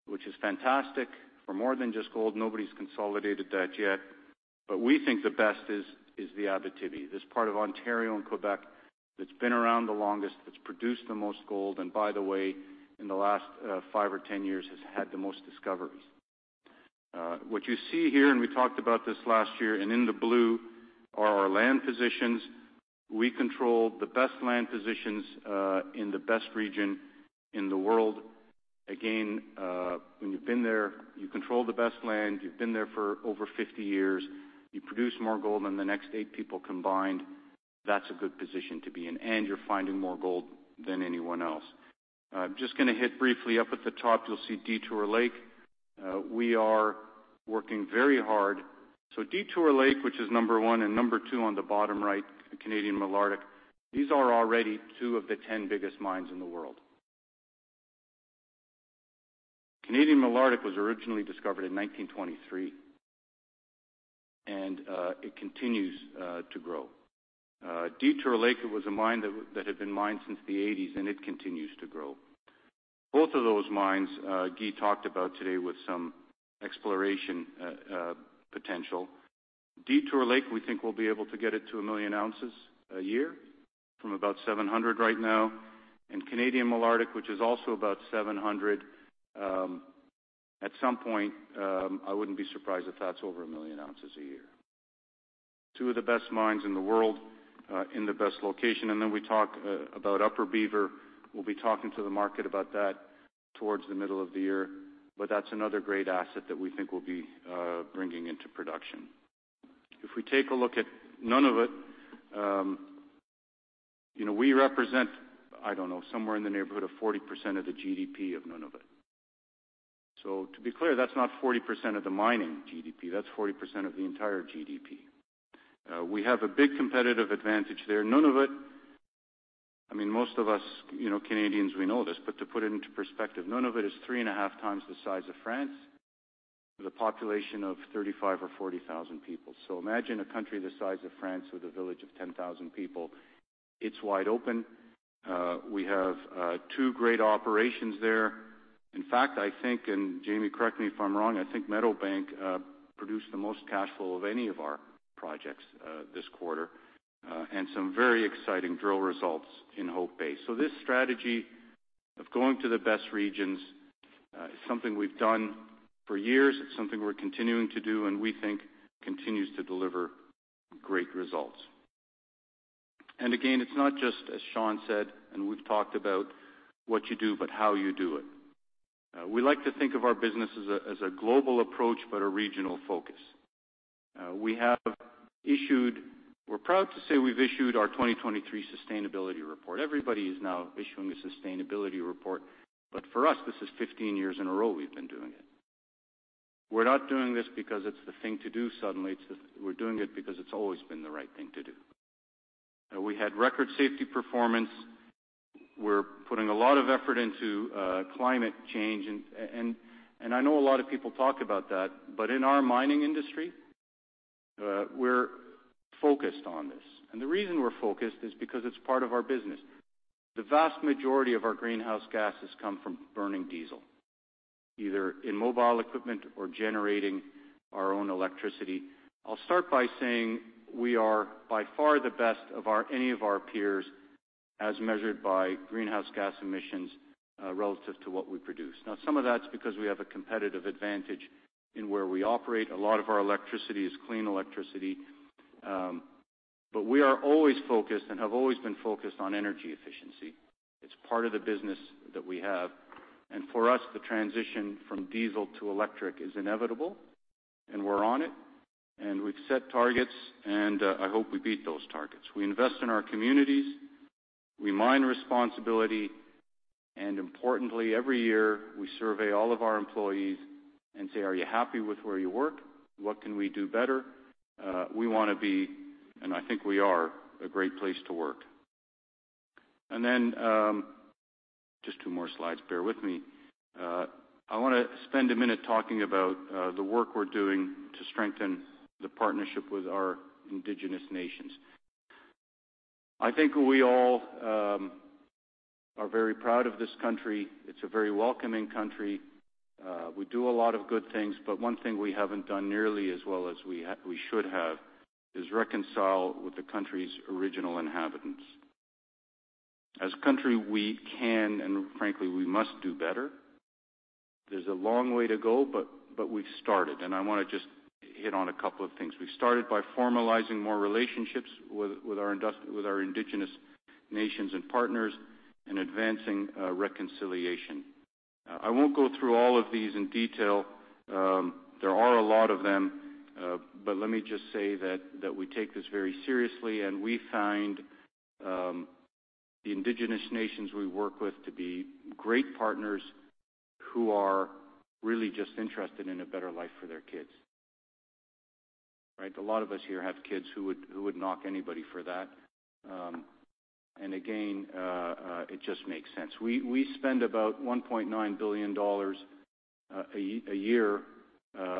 which is fantastic for more than just gold, nobody's consolidated that yet. But we think the best is the Abitibi, this part of Ontario and Quebec that's been around the longest, that's produced the most gold, and by the way, in the last five or 10 years, has had the most discoveries. What you see here, and we talked about this last year, and in the blue are our land positions. We control the best land positions in the best region in the world. Again, when you've been there, you control the best land, you've been there for over 50 years, you produce more gold than the next 8 people combined. That's a good position to be in, and you're finding more gold than anyone else. I'm just gonna hit briefly. Up at the top, you'll see Detour Lake. We are working very hard. So Detour Lake, which is number 1, and number 2 on the bottom right, the Canadian Malartic, these are already two of the 10 biggest mines in the world. Canadian Malartic was originally discovered in 1923, and it continues to grow. Detour Lake was a mine that had been mined since the 1980s, and it continues to grow. Both of those mines, Guy talked about today with some exploration potential. Detour Lake, we think we'll be able to get it to 1 million ounces a year from about 700 right now. And Canadian Malartic, which is also about 700, at some point, I wouldn't be surprised if that's over 1 million ounces a year. Two of the best mines in the world, in the best location, and then we talk about Upper Beaver. We'll be talking to the market about that towards the middle of the year, but that's another great asset that we think we'll be bringing into production. If we take a look at Nunavut, you know, we represent, I don't know, somewhere in the neighborhood of 40% of the GDP of Nunavut. So to be clear, that's not 40% of the mining GDP, that's 40% of the entire GDP. We have a big competitive advantage there. Nunavut, I mean, most of us, you know, Canadians, we know this, but to put it into perspective, Nunavut is 3.5 times the size of France, with a population of 35,000 or 40,000 people. So imagine a country the size of France with a village of 10,000 people. It's wide open. We have two great operations there. In fact, I think, and Jamie, correct me if I'm wrong, I think Meadowbank produced the most cash flow of any of our projects this quarter, and some very exciting drill results in Hope Bay. So this strategy of going to the best regions is something we've done for years, it's something we're continuing to do, and we think continues to deliver great results. And again, it's not just, as Sean said, and we've talked about what you do, but how you do it. We like to think of our business as a, as a global approach, but a regional focus. We have issued. We're proud to say we've issued our 2023 sustainability report. Everybody is now issuing a sustainability report, but for us, this is 15 years in a row we've been doing it. We're not doing this because it's the thing to do suddenly, it's that we're doing it because it's always been the right thing to do. We had record safety performance. We're putting a lot of effort into climate change. And I know a lot of people talk about that, but in our mining industry, we're focused on this. And the reason we're focused is because it's part of our business. The vast majority of our greenhouse gases come from burning diesel, either in mobile equipment or generating our own electricity. I'll start by saying we are by far the best of any of our peers, as measured by greenhouse gas emissions relative to what we produce. Now, some of that's because we have a competitive advantage in where we operate. A lot of our electricity is clean electricity, but we are always focused and have always been focused on energy efficiency. It's part of the business that we have. And for us, the transition from diesel to electric is inevitable, and we're on it, and we've set targets, and I hope we beat those targets. We invest in our communities, we mine responsibly, and importantly, every year, we survey all of our employees and say: Are you happy with where you work? What can we do better? We want to be, and I think we are, a great place to work. And then, just two more slides. Bear with me. I want to spend a minute talking about the work we're doing to strengthen the partnership with our indigenous nations. I think we all are very proud of this country. It's a very welcoming country. We do a lot of good things, but one thing we haven't done nearly as well as we should have is reconcile with the country's original inhabitants. As a country, we can, and frankly, we must do better. There's a long way to go, but we've started, and I wanna just hit on a couple of things. We started by formalizing more relationships with our indigenous nations and partners in advancing reconciliation. I won't go through all of these in detail. There are a lot of them, but let me just say that we take this very seriously, and we find the indigenous nations we work with to be great partners who are really just interested in a better life for their kids. Right, a lot of us here have kids, who would knock anybody for that? And again, it just makes sense. We spend about $1.9 billion a year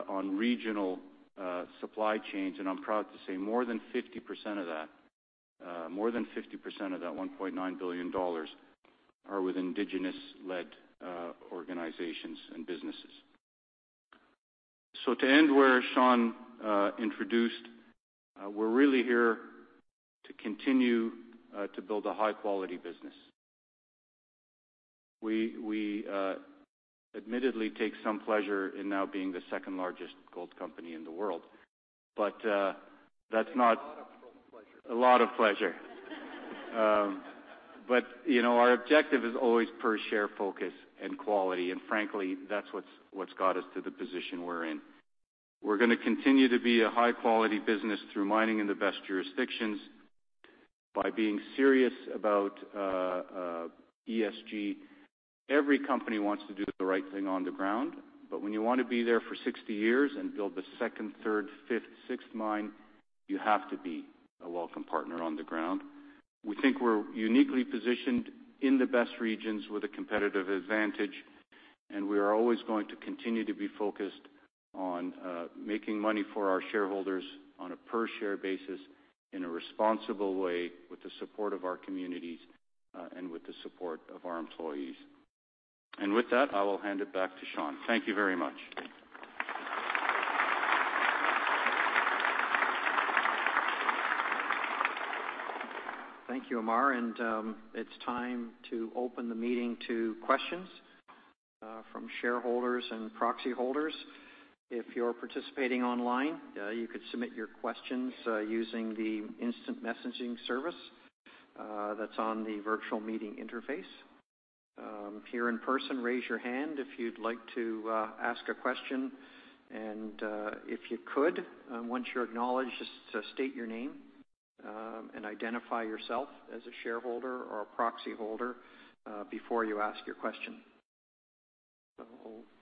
on regional supply chains, and I'm proud to say more than 50% of that, more than 50% of that $1.9 billion, are with indigenous-led organizations and businesses. So to end where Sean introduced, we're really here to continue to build a high-quality business. We admittedly take some pleasure in now being the second-largest gold company in the world. But that's not-
A lot of pleasure.
A lot of pleasure. But, you know, our objective is always per share focus and quality. And frankly, that's what's got us to the position we're in. We're gonna continue to be a high-quality business through mining in the best jurisdictions by being serious about ESG. Every company wants to do the right thing on the ground, but when you want to be there for 60 years and build the second, third, fifth, sixth mine, you have to be a welcome partner on the ground. We think we're uniquely positioned in the best regions with a competitive advantage, and we are always going to continue to be focused on making money for our shareholders on a per-share basis in a responsible way, with the support of our communities and with the support of our employees. With that, I will hand it back to Sean. Thank you very much.
Thank you, Ammar, and it's time to open the meeting to questions from shareholders and proxy holders. If you're participating online, you could submit your questions using the instant messaging service that's on the virtual meeting interface. If here in person, raise your hand if you'd like to ask a question. If you could, once you're acknowledged, just state your name and identify yourself as a shareholder or a proxy holder before you ask your question. So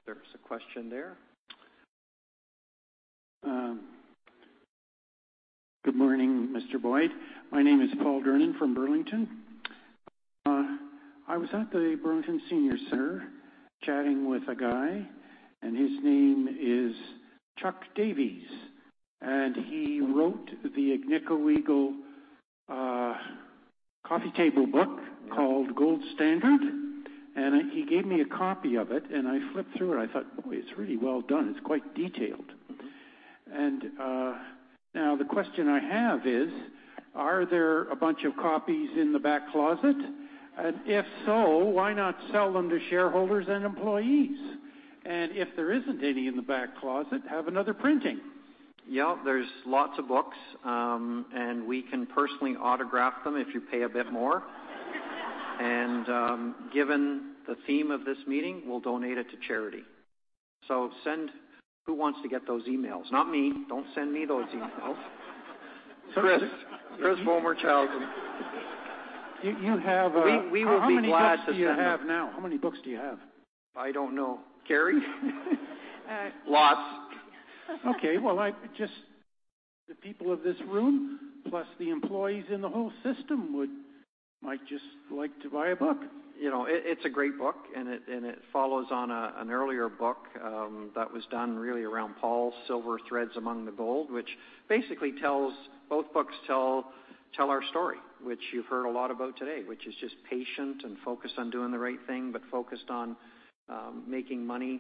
there's a question there.
Good morning, Mr. Boyd. My name is Paul Durnin from Burlington. I was at the Burlington Senior Center chatting with a guy, and his name is Charles Davies, and he wrote the Agnico Eagle coffee table book called Gold Standard, and he gave me a copy of it, and I flipped through it. I thought, "Boy, it's really well done. It's quite detailed." And now the question I have is: Are there a bunch of copies in the back closet? And if so, why not sell them to shareholders and employees? And if there isn't any in the back closet, have another printing.
Yeah, there's lots of books, and we can personally autograph them if you pay a bit more. And, given the theme of this meeting, we'll donate it to charity. So, who wants to get those emails? Not me. Don't send me those emails.
Chris Vollmershausen.
You have.
We will be glad to send them.
How many books do you have now? How many books do you have?
I don't know. Kerry?
Uh, lots.
Okay, well, the people of this room, plus the employees in the whole system, would might just like to buy a book.
You know, it's a great book, and it follows on an earlier book that was done really around Paul, Silver Threads Among the Gold, which basically tells. Both books tell our story, which you've heard a lot about today, which is just patient and focused on doing the right thing, but focused on making money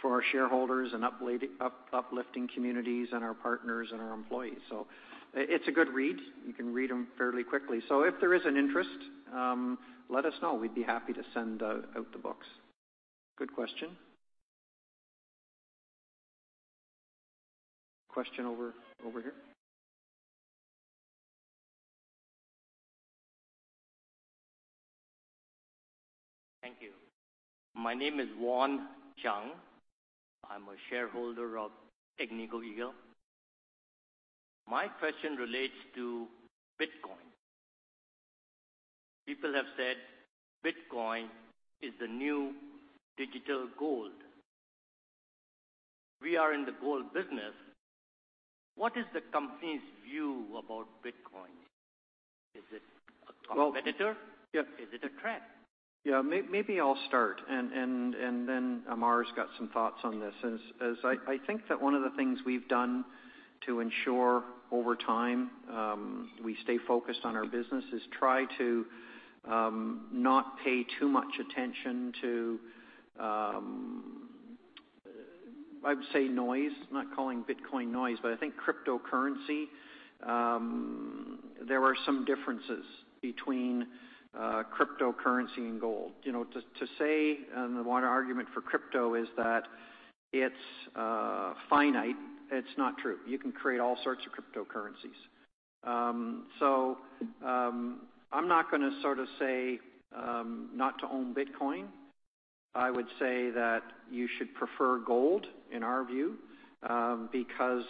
for our shareholders and uplifting communities and our partners and our employees. So it's a good read. You can read them fairly quickly. So if there is an interest, let us know. We'd be happy to send out the books. Good question. Question over here.
Thank you. My name is Juan Chung. I'm a shareholder of Agnico Eagle. My question relates to Bitcoin. People have said Bitcoin is the new digital gold. We are in the gold business. What is the company's view about Bitcoin? Well, editor, is it a trap?
Yeah, maybe I'll start, and then Ammar's got some thoughts on this. I think that one of the things we've done to ensure over time we stay focused on our business is try to not pay too much attention to, I'd say noise, not calling Bitcoin noise, but I think cryptocurrency, there are some differences between cryptocurrency and gold. You know, to say, and one argument for crypto is that it's finite. It's not true. You can create all sorts of cryptocurrencies. So, I'm not gonna sort of say not to own Bitcoin. I would say that you should prefer gold, in our view, because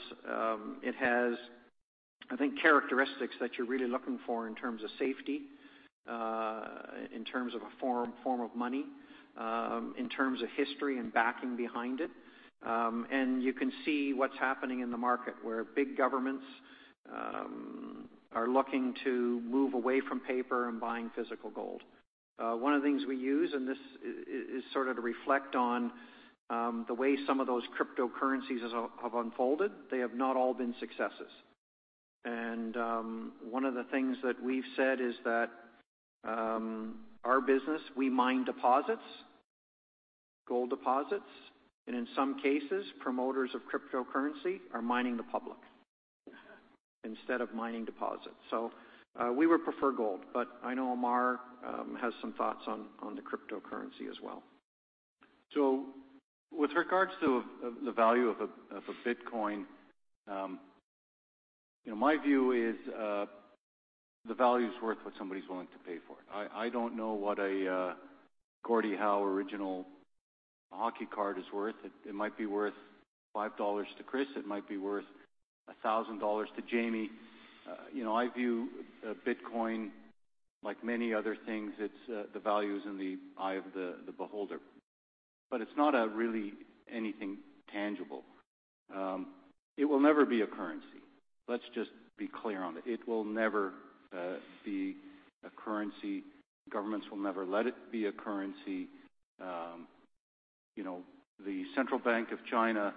it has, I think, characteristics that you're really looking for in terms of safety, in terms of a form of money, in terms of history and backing behind it. You can see what's happening in the market, where big governments are looking to move away from paper and buying physical gold. One of the things we use, and this is sort of to reflect on the way some of those cryptocurrencies have unfolded, they have not all been successes. One of the things that we've said is that our business, we mine deposits, gold deposits, and in some cases, promoters of cryptocurrency are mining the public instead of mining deposits. We would prefer gold, but I know Ammar has some thoughts on the cryptocurrency as well.
So with regards to the value of a Bitcoin, you know, my view is, the value is worth what somebody's willing to pay for it. I don't know what a Gordie Howe original hockey card is worth. It might be worth $5 to Chris, it might be worth $1,000 to Jamie. You know, I view Bitcoin like many other things, it's, the value is in the eye of the beholder. But it's not really anything tangible. It will never be a currency. Let's just be clear on it. It will never be a currency. Governments will never let it be a currency. You know, the Central Bank of China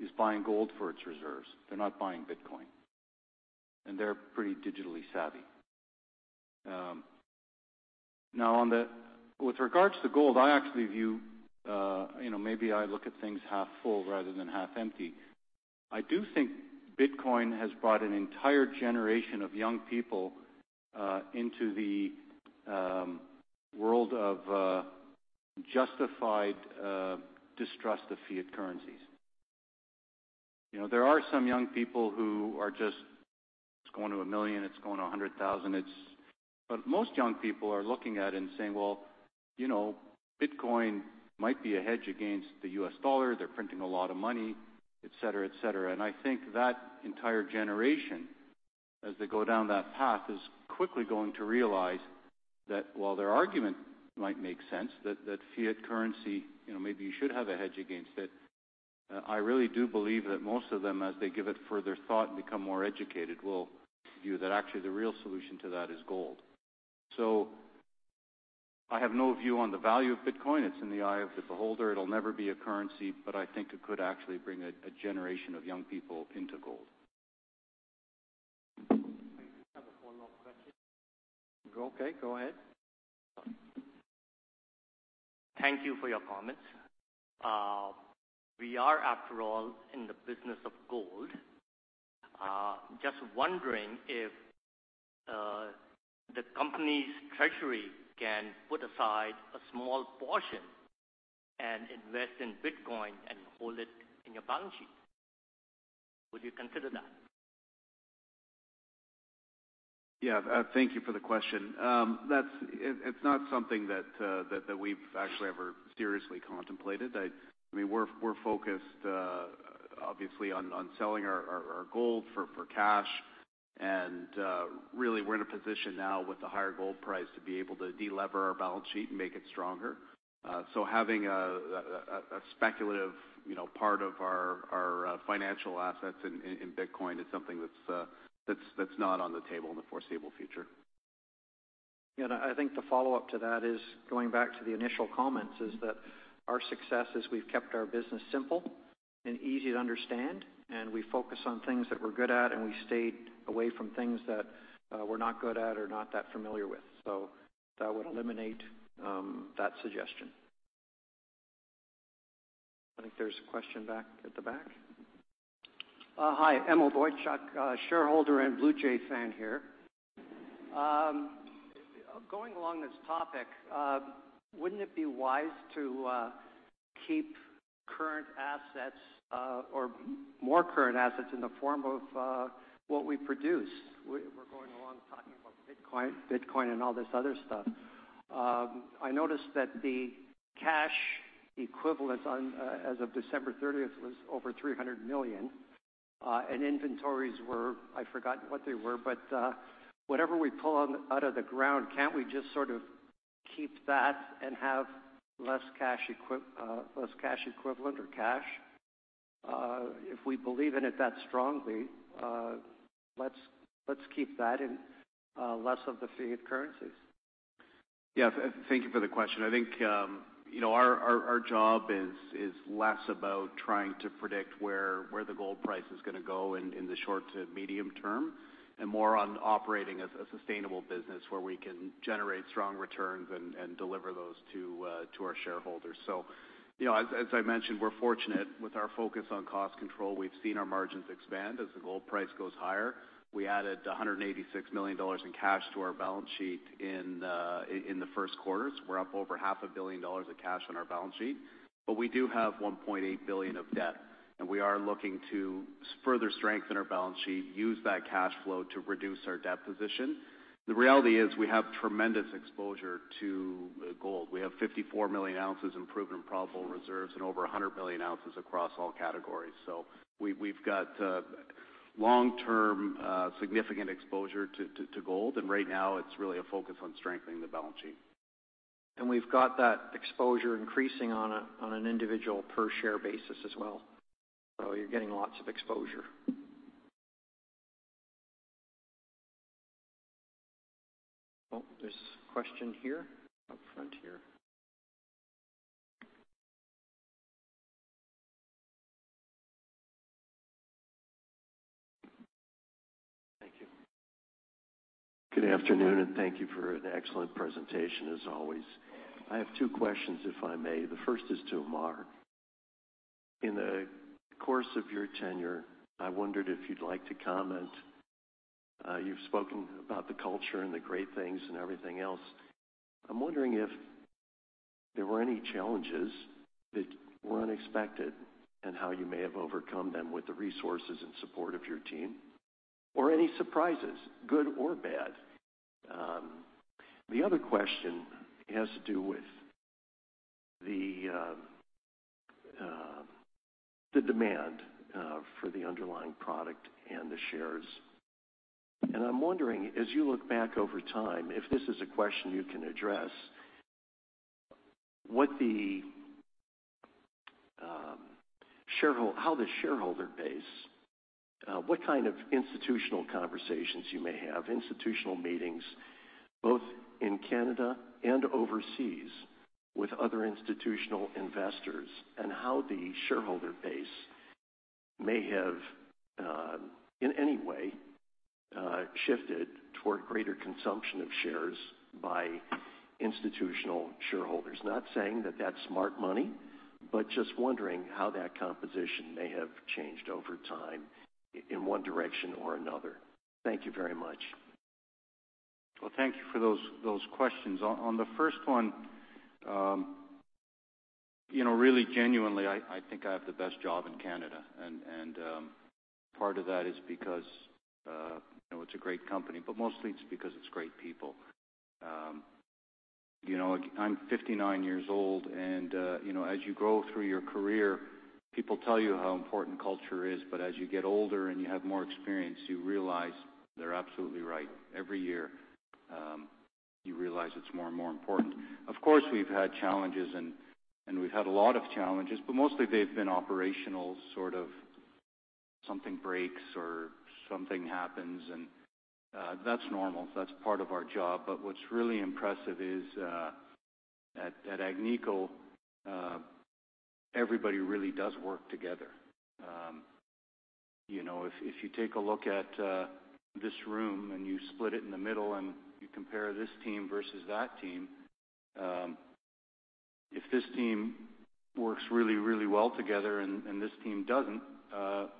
is buying gold for its reserves. They're not buying Bitcoin, and they're pretty digitally savvy. Now, with regards to gold, I actually view, you know, maybe I look at things half full rather than half empty. I do think Bitcoin has brought an entire generation of young people into the world of justified distrust of fiat currencies. You know, there are some young people who are just, "It's going to 1,000,000, it's going to 100,000, it's..." But most young people are looking at it and saying, "Well, you know, Bitcoin might be a hedge against the US dollar. They're printing a lot of money," et cetera, et cetera. And I think that entire generation, as they go down that path, is quickly going to realize that while their argument might make sense, that, that fiat currency, you know, maybe you should have a hedge against it. I really do believe that most of them, as they give it further thought and become more educated, will view that actually the real solution to that is gold. So I have no view on the value of Bitcoin. It's in the eye of the beholder. It'll never be a currency, but I think it could actually bring a generation of young people into gold.
I just have one more question.
Okay, go ahead.
Thank you for your comments. We are, after all, in the business of gold. Just wondering if the company's treasury can put aside a small portion and invest in Bitcoin and hold it in your balance sheet. Would you consider that?
Yeah, thank you for the question. That's it, it's not something that we've actually ever seriously contemplated. I mean, we're focused obviously on selling our gold for cash. And really, we're in a position now with the higher gold price to be able to delever our balance sheet and make it stronger. So having a speculative, you know, part of our financial assets in Bitcoin is something that's not on the table in the foreseeable future.
I think the follow-up to that is, going back to the initial comments, is that our success is we've kept our business simple and easy to understand, and we focus on things that we're good at, and we stayed away from things that we're not good at or not that familiar with. So that would eliminate that suggestion. I think there's a question back at the back.
Hi, Emil Boychuk, shareholder and Blue Jays fan here. Going along this topic, wouldn't it be wise to keep current assets, or more current assets in the form of what we produce? We're going along talking about Bitcoin, Bitcoin and all this other stuff. I noticed that the cash equivalents as of December thirtieth was over $300 million, and inventories were, I forgot what they were, but whatever we pull out of the ground, can't we just sort of keep that and have less cash equivalent or cash?...
if we believe in it that strongly, let's keep that and less of the fiat currencies.
Yeah, thank you for the question. I think, you know, our job is less about trying to predict where the gold price is gonna go in the short to medium term, and more on operating a sustainable business where we can generate strong returns and deliver those to our shareholders. So, you know, as I mentioned, we're fortunate with our focus on cost control. We've seen our margins expand as the gold price goes higher. We added $186 million in cash to our balance sheet in the first quarter. We're up over $500 million in cash on our balance sheet, but we do have $1.8 billion of debt, and we are looking to further strengthen our balance sheet, use that cash flow to reduce our debt position. The reality is, we have tremendous exposure to gold. We have 54 million ounces in proven and probable reserves and over 100 million ounces across all categories. So we, we've got long-term significant exposure to gold, and right now it's really a focus on strengthening the balance sheet.
We've got that exposure increasing on an individual per share basis as well. You're getting lots of exposure. Oh, there's a question here, up front here.
Thank you. Good afternoon, and thank you for an excellent presentation, as always. I have two questions, if I may. The first is to Ammar. In the course of your tenure, I wondered if you'd like to comment. You've spoken about the culture and the great things and everything else. I'm wondering if there were any challenges that were unexpected, and how you may have overcome them with the resources and support of your team, or any surprises, good or bad? The other question has to do with the demand for the underlying product and the shares. I'm wondering, as you look back over time, if this is a question you can address, what the, shareholder-- how the shareholder base, what kind of institutional conversations you may have, institutional meetings, both in Canada and overseas, with other institutional investors, and how the shareholder base may have, in any way, shifted toward greater consumption of shares by institutional shareholders? Not saying that that's smart money, but just wondering how that composition may have changed over time, in one direction or another. Thank you very much.
Well, thank you for those, those questions. On, on the first one, you know, really, genuinely, I, I think I have the best job in Canada, and, and, part of that is because, you know, it's a great company, but mostly it's because it's great people. You know, I'm 59 years old, and, you know, as you go through your career, people tell you how important culture is, but as you get older and you have more experience, you realize they're absolutely right. Every year, you realize it's more and more important. Of course, we've had challenges, and, and we've had a lot of challenges, but mostly they've been operational, sort of something breaks or something happens, and, that's normal. That's part of our job. But what's really impressive is, at, at Agnico, everybody really does work together. You know, if you take a look at this room, and you split it in the middle, and you compare this team versus that team, if this team works really, really well together and this team doesn't,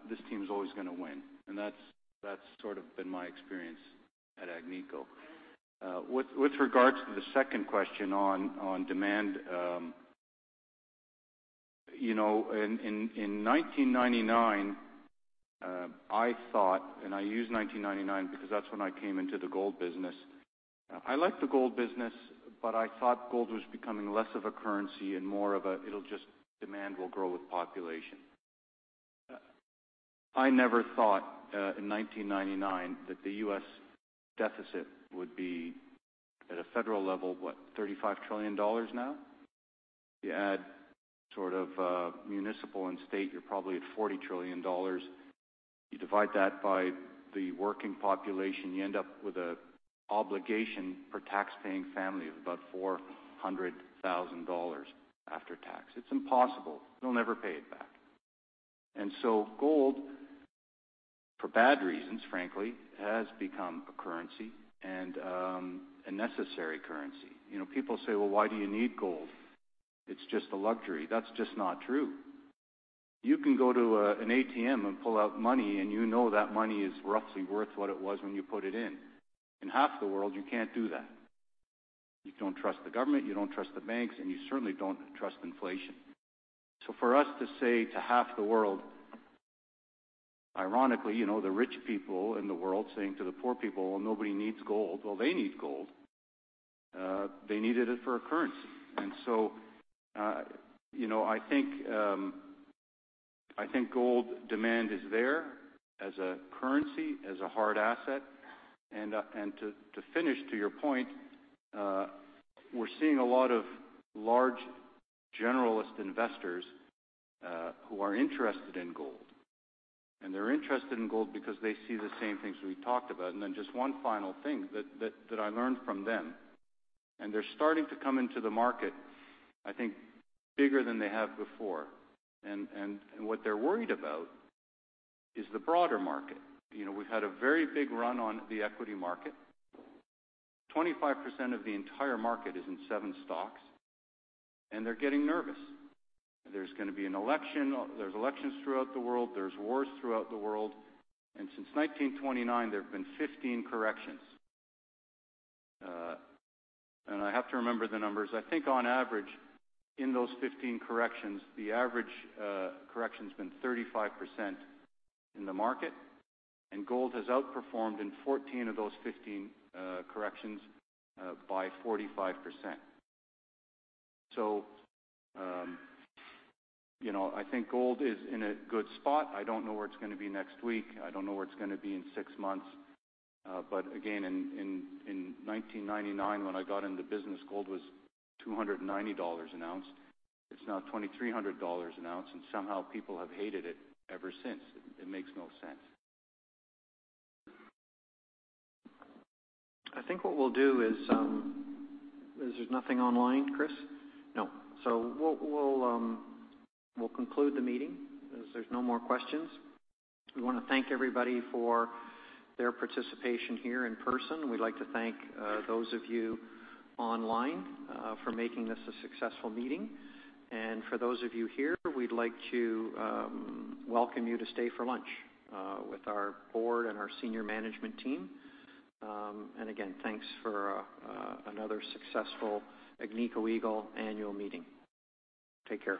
this team's always gonna win. And that's sort of been my experience at Agnico. With regards to the second question on demand, you know, in 1999, I thought, and I use 1999 because that's when I came into the gold business. I like the gold business, but I thought gold was becoming less of a currency and more of a, it'll just... Demand will grow with population. I never thought, in 1999, that the U.S. deficit would be at a federal level, what, $35 trillion now? You add sort of, municipal and state, you're probably at $40 trillion. You divide that by the working population, you end up with a obligation per tax-paying family of about $400,000 after tax. It's impossible. They'll never pay it back. And so gold, for bad reasons, frankly, has become a currency and, a necessary currency. You know, people say, "Well, why do you need gold? It's just a luxury." That's just not true. You can go to, an ATM and pull out money, and you know that money is roughly worth what it was when you put it in. In half the world, you can't do that. You don't trust the government, you don't trust the banks, and you certainly don't trust inflation. So for us to say to half the world, ironically, you know, the rich people in the world saying to the poor people, "Well, nobody needs gold." Well, they need gold. They needed it for a currency. And so, you know, I think gold demand is there as a currency, as a hard asset. And to finish, to your point... we're seeing a lot of large generalist investors who are interested in gold, and they're interested in gold because they see the same things we talked about. And then just one final thing that I learned from them, and they're starting to come into the market, I think, bigger than they have before. And what they're worried about is the broader market. You know, we've had a very big run on the equity market. 25% of the entire market is in seven stocks, and they're getting nervous. There's gonna be an election. There's elections throughout the world. There's wars throughout the world, and since 1929, there have been 15 corrections. I have to remember the numbers. I think on average, in those 15 corrections, the average correction has been 35% in the market, and gold has outperformed in 14 of those 15 corrections by 45%. So, you know, I think gold is in a good spot. I don't know where it's gonna be next week. I don't know where it's gonna be in six months. But again, in 1999, when I got in the business, gold was $290 an ounce. It's now $2,300 an ounce, and somehow people have hated it ever since. It makes no sense. I think what we'll do is, is there's nothing online, Chris? No. So we'll conclude the meeting, as there's no more questions. We wanna thank everybody for their participation here in person. We'd like to thank those of you online for making this a successful meeting. For those of you here, we'd like to welcome you to stay for lunch with our board and our senior management team. And again, thanks for another successful Agnico Eagle Annual Meeting. Take care.